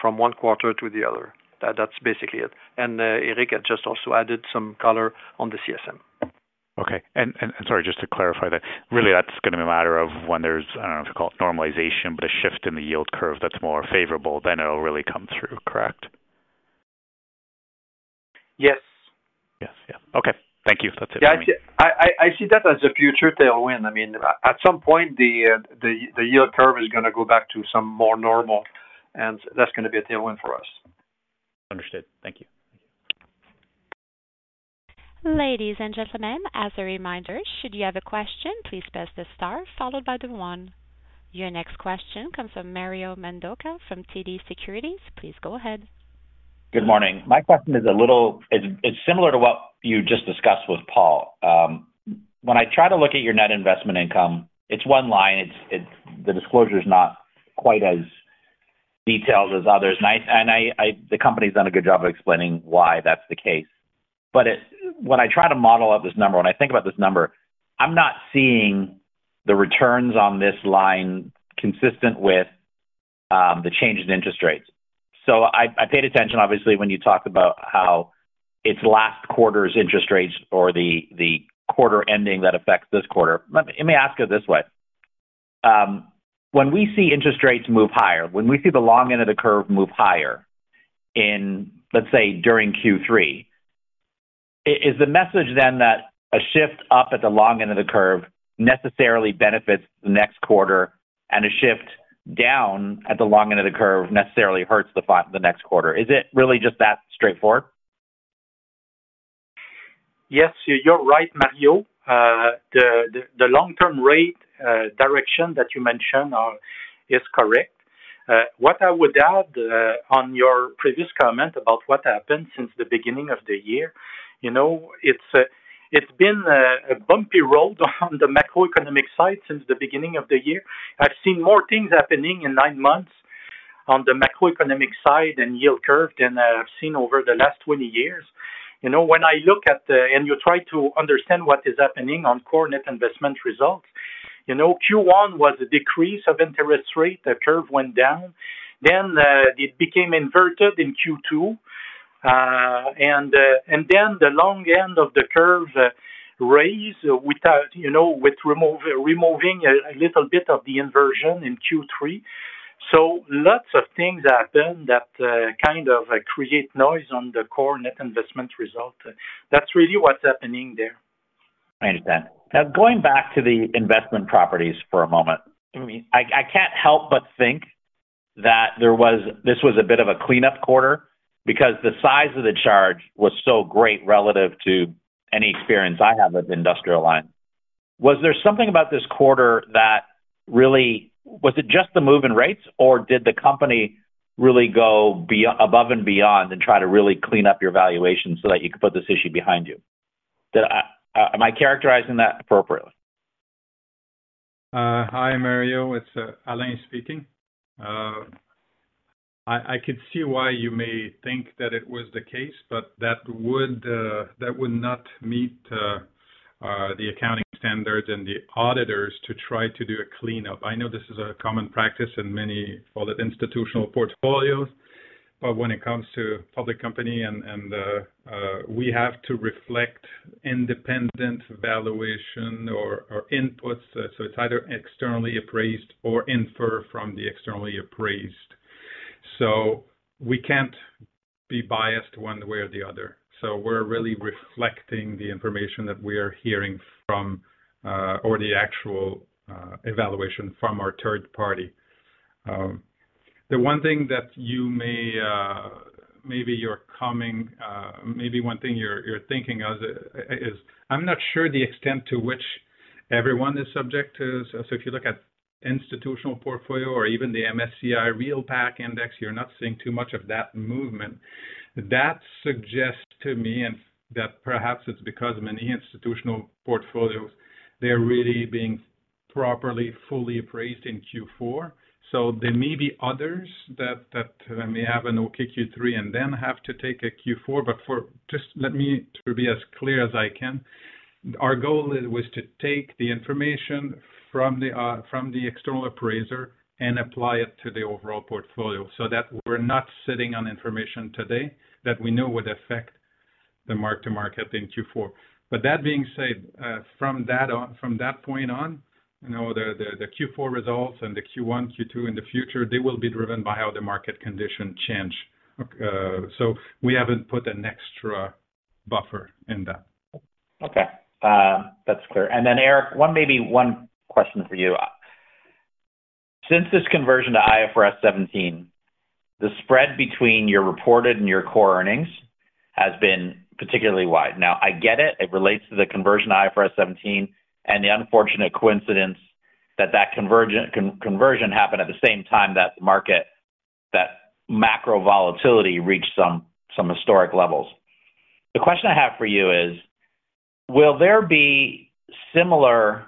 from one quarter to the other. That's basically it. And, Éric had just also added some color on the CSM. Okay. And sorry, just to clarify that. Really, that's going to be a matter of when there's, I don't know, if you call it normalization, but a shift in the yield curve that's more favorable, then it'll really come through, correct? Yes. Yes, yeah. Okay. Thank you. That's it. Yeah, I see that as a future tailwind. I mean, at some point, the yield curve is going to go back to some more normal, and that's going to be a tailwind for us. Understood. Thank you. Ladies and gentlemen, as a reminder, should you have a question, please press the star followed by the one. Your next question comes from Mario Mendonca from TD Securities. Please go ahead. Good morning. My question is a little... It's similar to what you just discussed with Paul. When I try to look at your net investment income, it's one line, the disclosure is not quite as detailed as others. And I, the company's done a good job of explaining why that's the case. But when I try to model out this number, when I think about this number, I'm not seeing the returns on this line consistent with the change in interest rates. So I paid attention, obviously, when you talked about how it's last quarter's interest rates or the quarter ending that affects this quarter. Let me ask it this way. When we see interest rates move higher, when we see the long end of the curve move higher, let's say, during Q3, is the message then that a shift up at the long end of the curve necessarily benefits the next quarter, and a shift down at the long end of the curve necessarily hurts the next quarter? Is it really just that straightforward? Yes, you're right, Mario. The long-term rate direction that you mentioned is correct. What I would add on your previous comment about what happened since the beginning of the year, you know, it's been a bumpy road on the macroeconomic side since the beginning of the year. I've seen more things happening in nine months on the macroeconomic side and yield curve than I've seen over the last 20 years. You know, when I look at the and you try to understand what is happening on core net investment results, you know, Q1 was a decrease of interest rate. The curve went down, then it became inverted in Q2, and then the long end of the curve raised without, you know, with remove, removing a little bit of the inversion in Q3. Lots of things happened that kind of create noise on the core net investment result. That's really what's happening there. I understand. Now, going back to the investment properties for a moment. I can't help but think that there was this was a bit of a cleanup quarter because the size of the charge was so great relative to any experience I have with Industrial Alliance. Was there something about this quarter that really... Was it just the move in rates, or did the company really go above and beyond and try to really clean up your valuation so that you could put this issue behind you? Am I characterizing that appropriately? Hi, Mario, it's Alain speaking. I could see why you may think that it was the case, but that would not meet the accounting standards and the auditors to try to do a cleanup. I know this is a common practice in many other institutional portfolios, but when it comes to public company and we have to reflect independent valuation or inputs. So it's either externally appraised or infer from the externally appraised. So we can't be biased one way or the other. So we're really reflecting the information that we are hearing from or the actual evaluation from our third party. The one thing that you may be thinking of is, I'm not sure the extent to which everyone is subject to. So if you look at institutional portfolio or even the MSCI Real Estate Index, you're not seeing too much of that movement. That suggests to me and that perhaps it's because many institutional portfolios, they're really being properly, fully appraised in Q4. So there may be others that may have an okay Q3 and then have to take a Q4. But for... Just let me to be as clear as I can. Our goal is, was to take the information from the external appraiser and apply it to the overall portfolio so that we're not sitting on information today that we know would affect the mark-to-market in Q4. But that being said, from that point on, you know, the Q4 results and the Q1, Q2 in the future, they will be driven by how the market conditions change. So we haven't put an extra buffer in that. Okay. That's clear. And then, Eric, one maybe one question for you. Since this conversion to IFRS 17, the spread between your reported and your core earnings has been particularly wide. Now I get it. It relates to the conversion to IFRS 17 and the unfortunate coincidence that that conversion happened at the same time that the market, macro volatility, reached some historic levels. The question I have for you is: will there be similar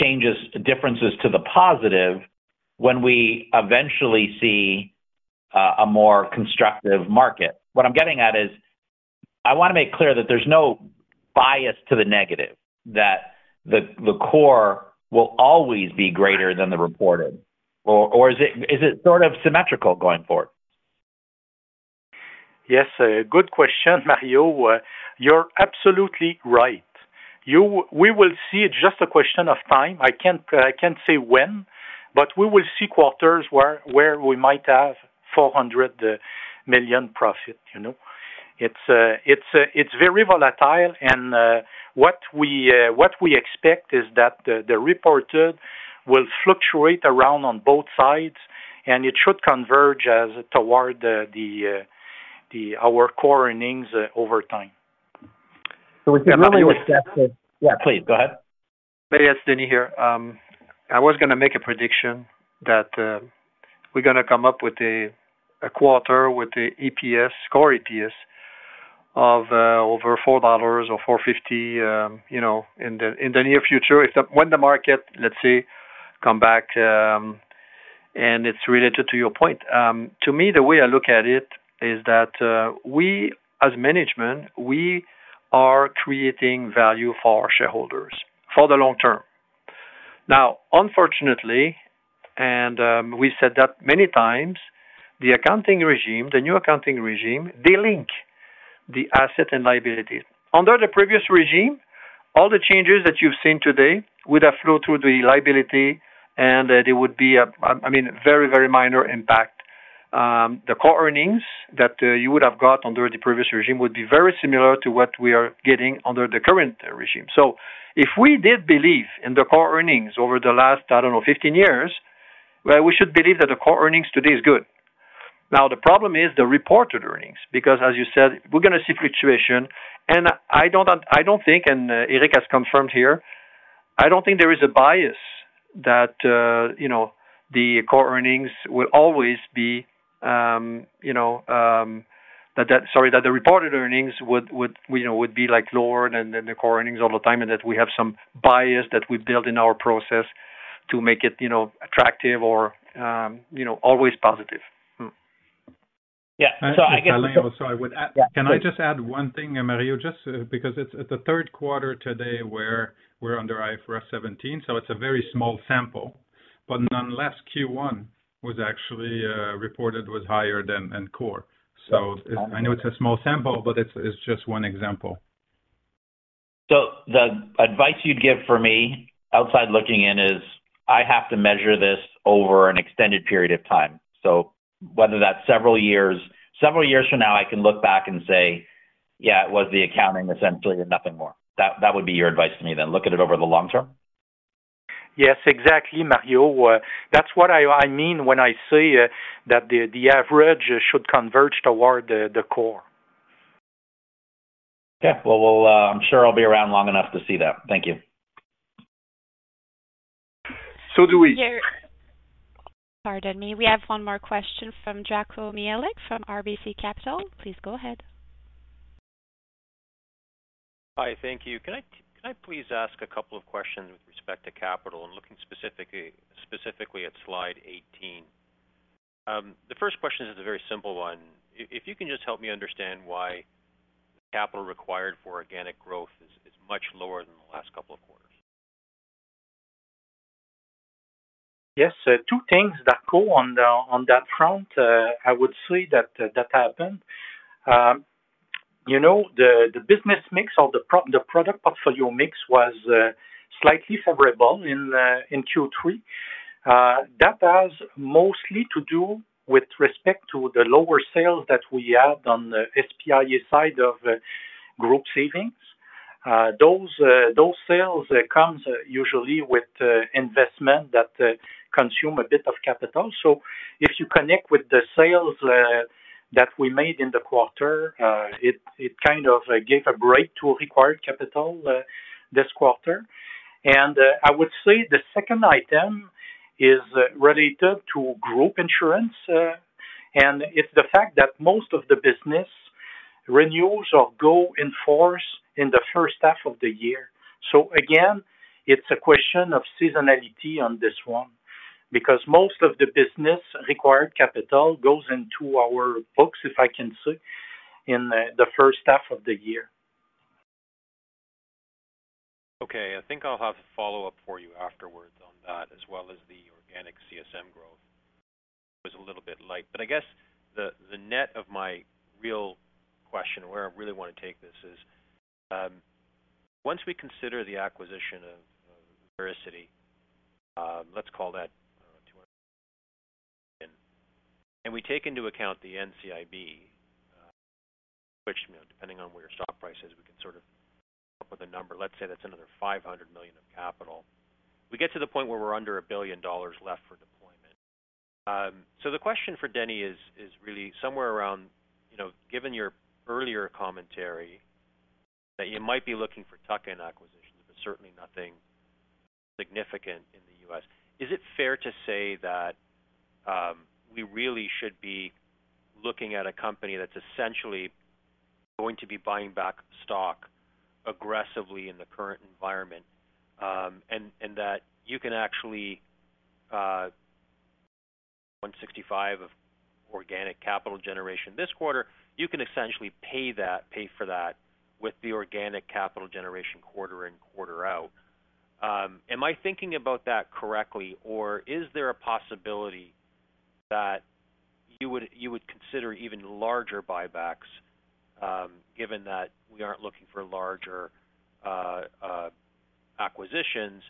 changes, differences to the positive when we eventually see a more constructive market? What I'm getting at is, I want to make clear that there's no bias to the negative, that the core will always be greater than the reported, or is it sort of symmetrical going forward? Yes, a good question, Mario. You're absolutely right. You-- We will see it's just a question of time. I can't, I can't say when, but we will see quarters where, where we might have 400 million profit, you know. It's, it's very volatile, and, what we, what we expect is that the, the reported will fluctuate around on both sides, and it should converge as toward the, the, our core earnings, over time. So it really was- Yeah, please. Go ahead. Yes, Denny here. I was gonna make a prediction that we're gonna come up with a quarter with a EPS, core EPS of over 4 dollars or 4.50, you know, in the near future, if when the market, let's say, come back, and it's related to your point. To me, the way I look at it is that we, as management, we are creating value for our shareholders for the long term. Now, unfortunately, and we said that many times, the accounting regime, the new accounting regime, they link the assets and liabilities. Under the previous regime, all the changes that you've seen today would have flowed through the liability, and it would be a I mean, very, very minor impact. The core earnings that you would have got under the previous regime would be very similar to what we are getting under the current regime. So if we did believe in the core earnings over the last, I don't know, 15 years, well, we should believe that the core earnings today is good. Now, the problem is the reported earnings, because as you said, we're gonna see fluctuation, and I don't, I don't think, and Éric has confirmed here, I don't think there is a bias that, you know, the core earnings will always be, you know. Sorry, that the reported earnings would, would, you know, would be, like, lower than the core earnings all the time, and that we have some bias that we've built in our process to make it, you know, attractive or, you know, always positive. Yeah. So I guess- Sorry, I would add. Yeah. Can I just add one thing, Mario? Just because it's at the third quarter today where we're under IFRS 17, so it's a very small sample, but nonetheless, Q1 was actually, reported was higher than in core. So I know it's a small sample, but it's, it's just one example. The advice you'd give for me outside looking in is, I have to measure this over an extended period of time. Whether that's several years, several years from now, I can look back and say, "Yeah, it was the accounting, essentially, and nothing more." That, that would be your advice to me then, look at it over the long term? Yes, exactly, Mario. That's what I mean when I say that the average should converge toward the core. Okay. Well, we'll, I'm sure I'll be around long enough to see that. Thank you. So do we. Pardon me. We have one more question from Darko Mihelic, from RBC Capital. Please go ahead. Hi, thank you. Can I, can I please ask a couple of questions with respect to capital and looking specifically, specifically at slide 18? The first question is a very simple one. If, if you can just help me understand why capital required for organic growth is, is much lower than the last couple of quarters. Yes, two things that go on the, on that front, I would say that, that happened. You know, the, the business mix or the product portfolio mix was, slightly favorable in, in Q3. That has mostly to do with respect to the lower sales that we had on the SPIA side of group savings. Those, those sales comes usually with, investment that, consume a bit of capital. So if you connect with the sales, that we made in the quarter, it, it kind of gave a break to required capital, this quarter. And, I would say the second item is related to group insurance, and it's the fact that most of the business renewals or go in force in the first half of the year. So again, it's a question of seasonality on this one. ... because most of the business required capital goes into our books, if I can say, in the first half of the year. Okay, I think I'll have a follow-up for you afterwards on that, as well as the organic CSM growth. It was a little bit light, but I guess the net of my real question, where I really want to take this is, once we consider the acquisition of Vericity, let's call that $200 million, and we take into account the NCIB, which, you know, depending on where your stock price is, we can sort of come up with a number. Let's say that's another $500 million of capital. We get to the point where we're under $1 billion left for deployment. So the question for Denny is really somewhere around, you know, given your earlier commentary, that you might be looking for tuck-in acquisitions, but certainly nothing significant in the U.S. Is it fair to say that, we really should be looking at a company that's essentially going to be buying back stock aggressively in the current environment? And that you can actually, 165 of organic capital generation this quarter, you can essentially pay that, pay for that with the organic capital generation quarter in, quarter out. Am I thinking about that correctly, or is there a possibility that you would, you would consider even larger buybacks, given that we aren't looking for larger, acquisitions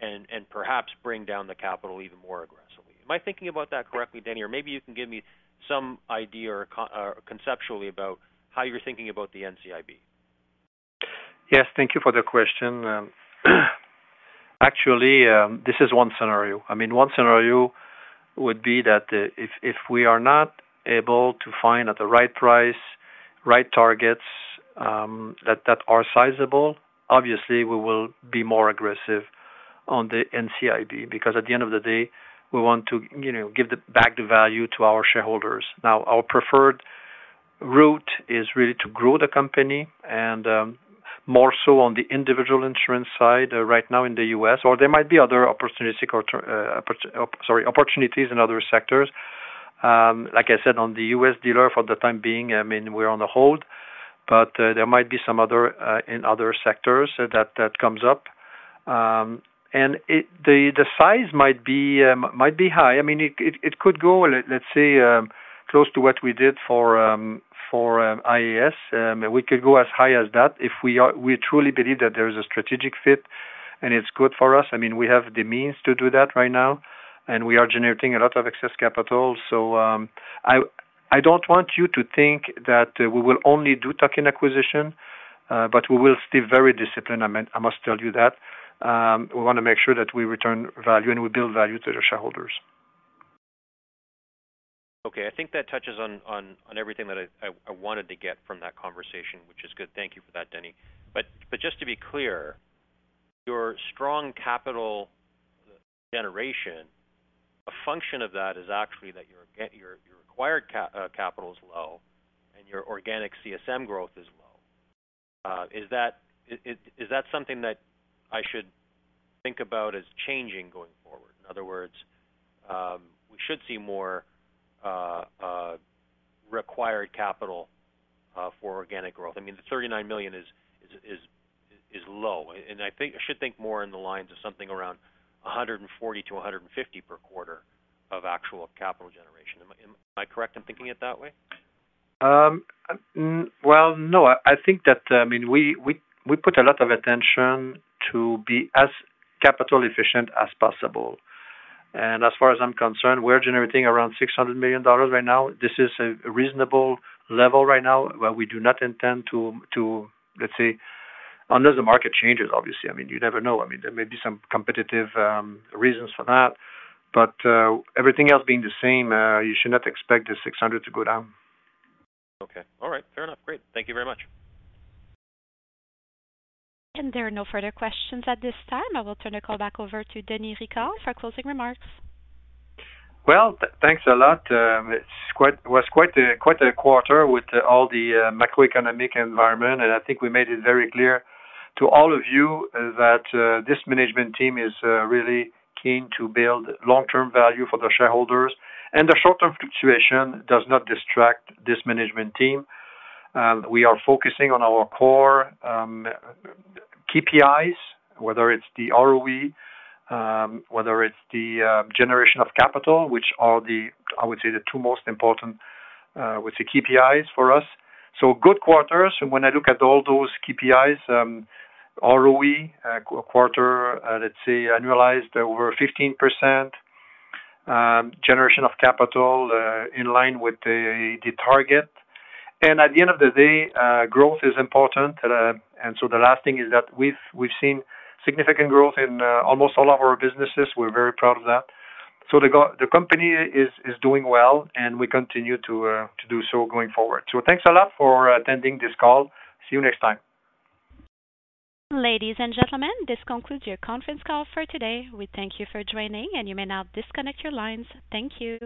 and, and perhaps bring down the capital even more aggressively? Am I thinking about that correctly, Denny? Or maybe you can give me some idea or conceptually about how you're thinking about the NCIB. Yes, thank you for the question. Actually, this is one scenario. I mean, one scenario would be that, if we are not able to find at the right price, right targets, that are sizable, obviously we will be more aggressive on the NCIB, because at the end of the day, we want to, you know, give back the value to our shareholders. Now, our preferred route is really to grow the company and, more so on the individual insurance side right now in the US, or there might be other opportunistic or, sorry, opportunities in other sectors. Like I said, on the US dealer for the time being, I mean, we're on hold, but, there might be some other, in other sectors that comes up. And it... The size might be high. I mean, it could go, let's say, close to what we did for IAS. We could go as high as that if we truly believe that there is a strategic fit and it's good for us. I mean, we have the means to do that right now, and we are generating a lot of excess capital. So, I don't want you to think that we will only do tuck-in acquisition, but we will stay very disciplined. I mean, I must tell you that we wanna make sure that we return value and we build value to the shareholders. Okay. I think that touches on everything that I wanted to get from that conversation, which is good. Thank you for that, Denny. But just to be clear, your strong capital generation, a function of that is actually that your required capital is low and your organic CSM growth is low. Is that something that I should think about as changing going forward? In other words, we should see more required capital for organic growth. I mean, the 39 million is low, and I think I should think more in the lines of something around 140 million-150 million per quarter of actual capital generation. Am I correct in thinking it that way? Well, no, I think that, I mean, we put a lot of attention to be as capital efficient as possible, and as far as I'm concerned, we're generating around 600 million dollars right now. This is a reasonable level right now, but we do not intend to, let's say, unless the market changes, obviously, I mean, you never know. I mean, there may be some competitive reasons for that, but everything else being the same, you should not expect the 600 to go down. Okay. All right, fair enough. Great. Thank you very much. There are no further questions at this time. I will turn the call back over to Denis Ricard for closing remarks. Well, thanks a lot. It's quite... It was quite a quarter with all the macroeconomic environment, and I think we made it very clear to all of you that this management team is really keen to build long-term value for the shareholders, and the short-term situation does not distract this management team. We are focusing on our core KPIs, whether it's the ROE, whether it's the generation of capital, which are the, I would say, the two most important with the KPIs for us. So good quarters. When I look at all those KPIs, ROE quarter, let's say annualized over 15%, generation of capital in line with the target. At the end of the day, growth is important, and so the last thing is that we've seen significant growth in almost all of our businesses. We're very proud of that. The company is doing well, and we continue to do so going forward. Thanks a lot for attending this call. See you next time. Ladies and gentlemen, this concludes your conference call for today. We thank you for joining, and you may now disconnect your lines. Thank you.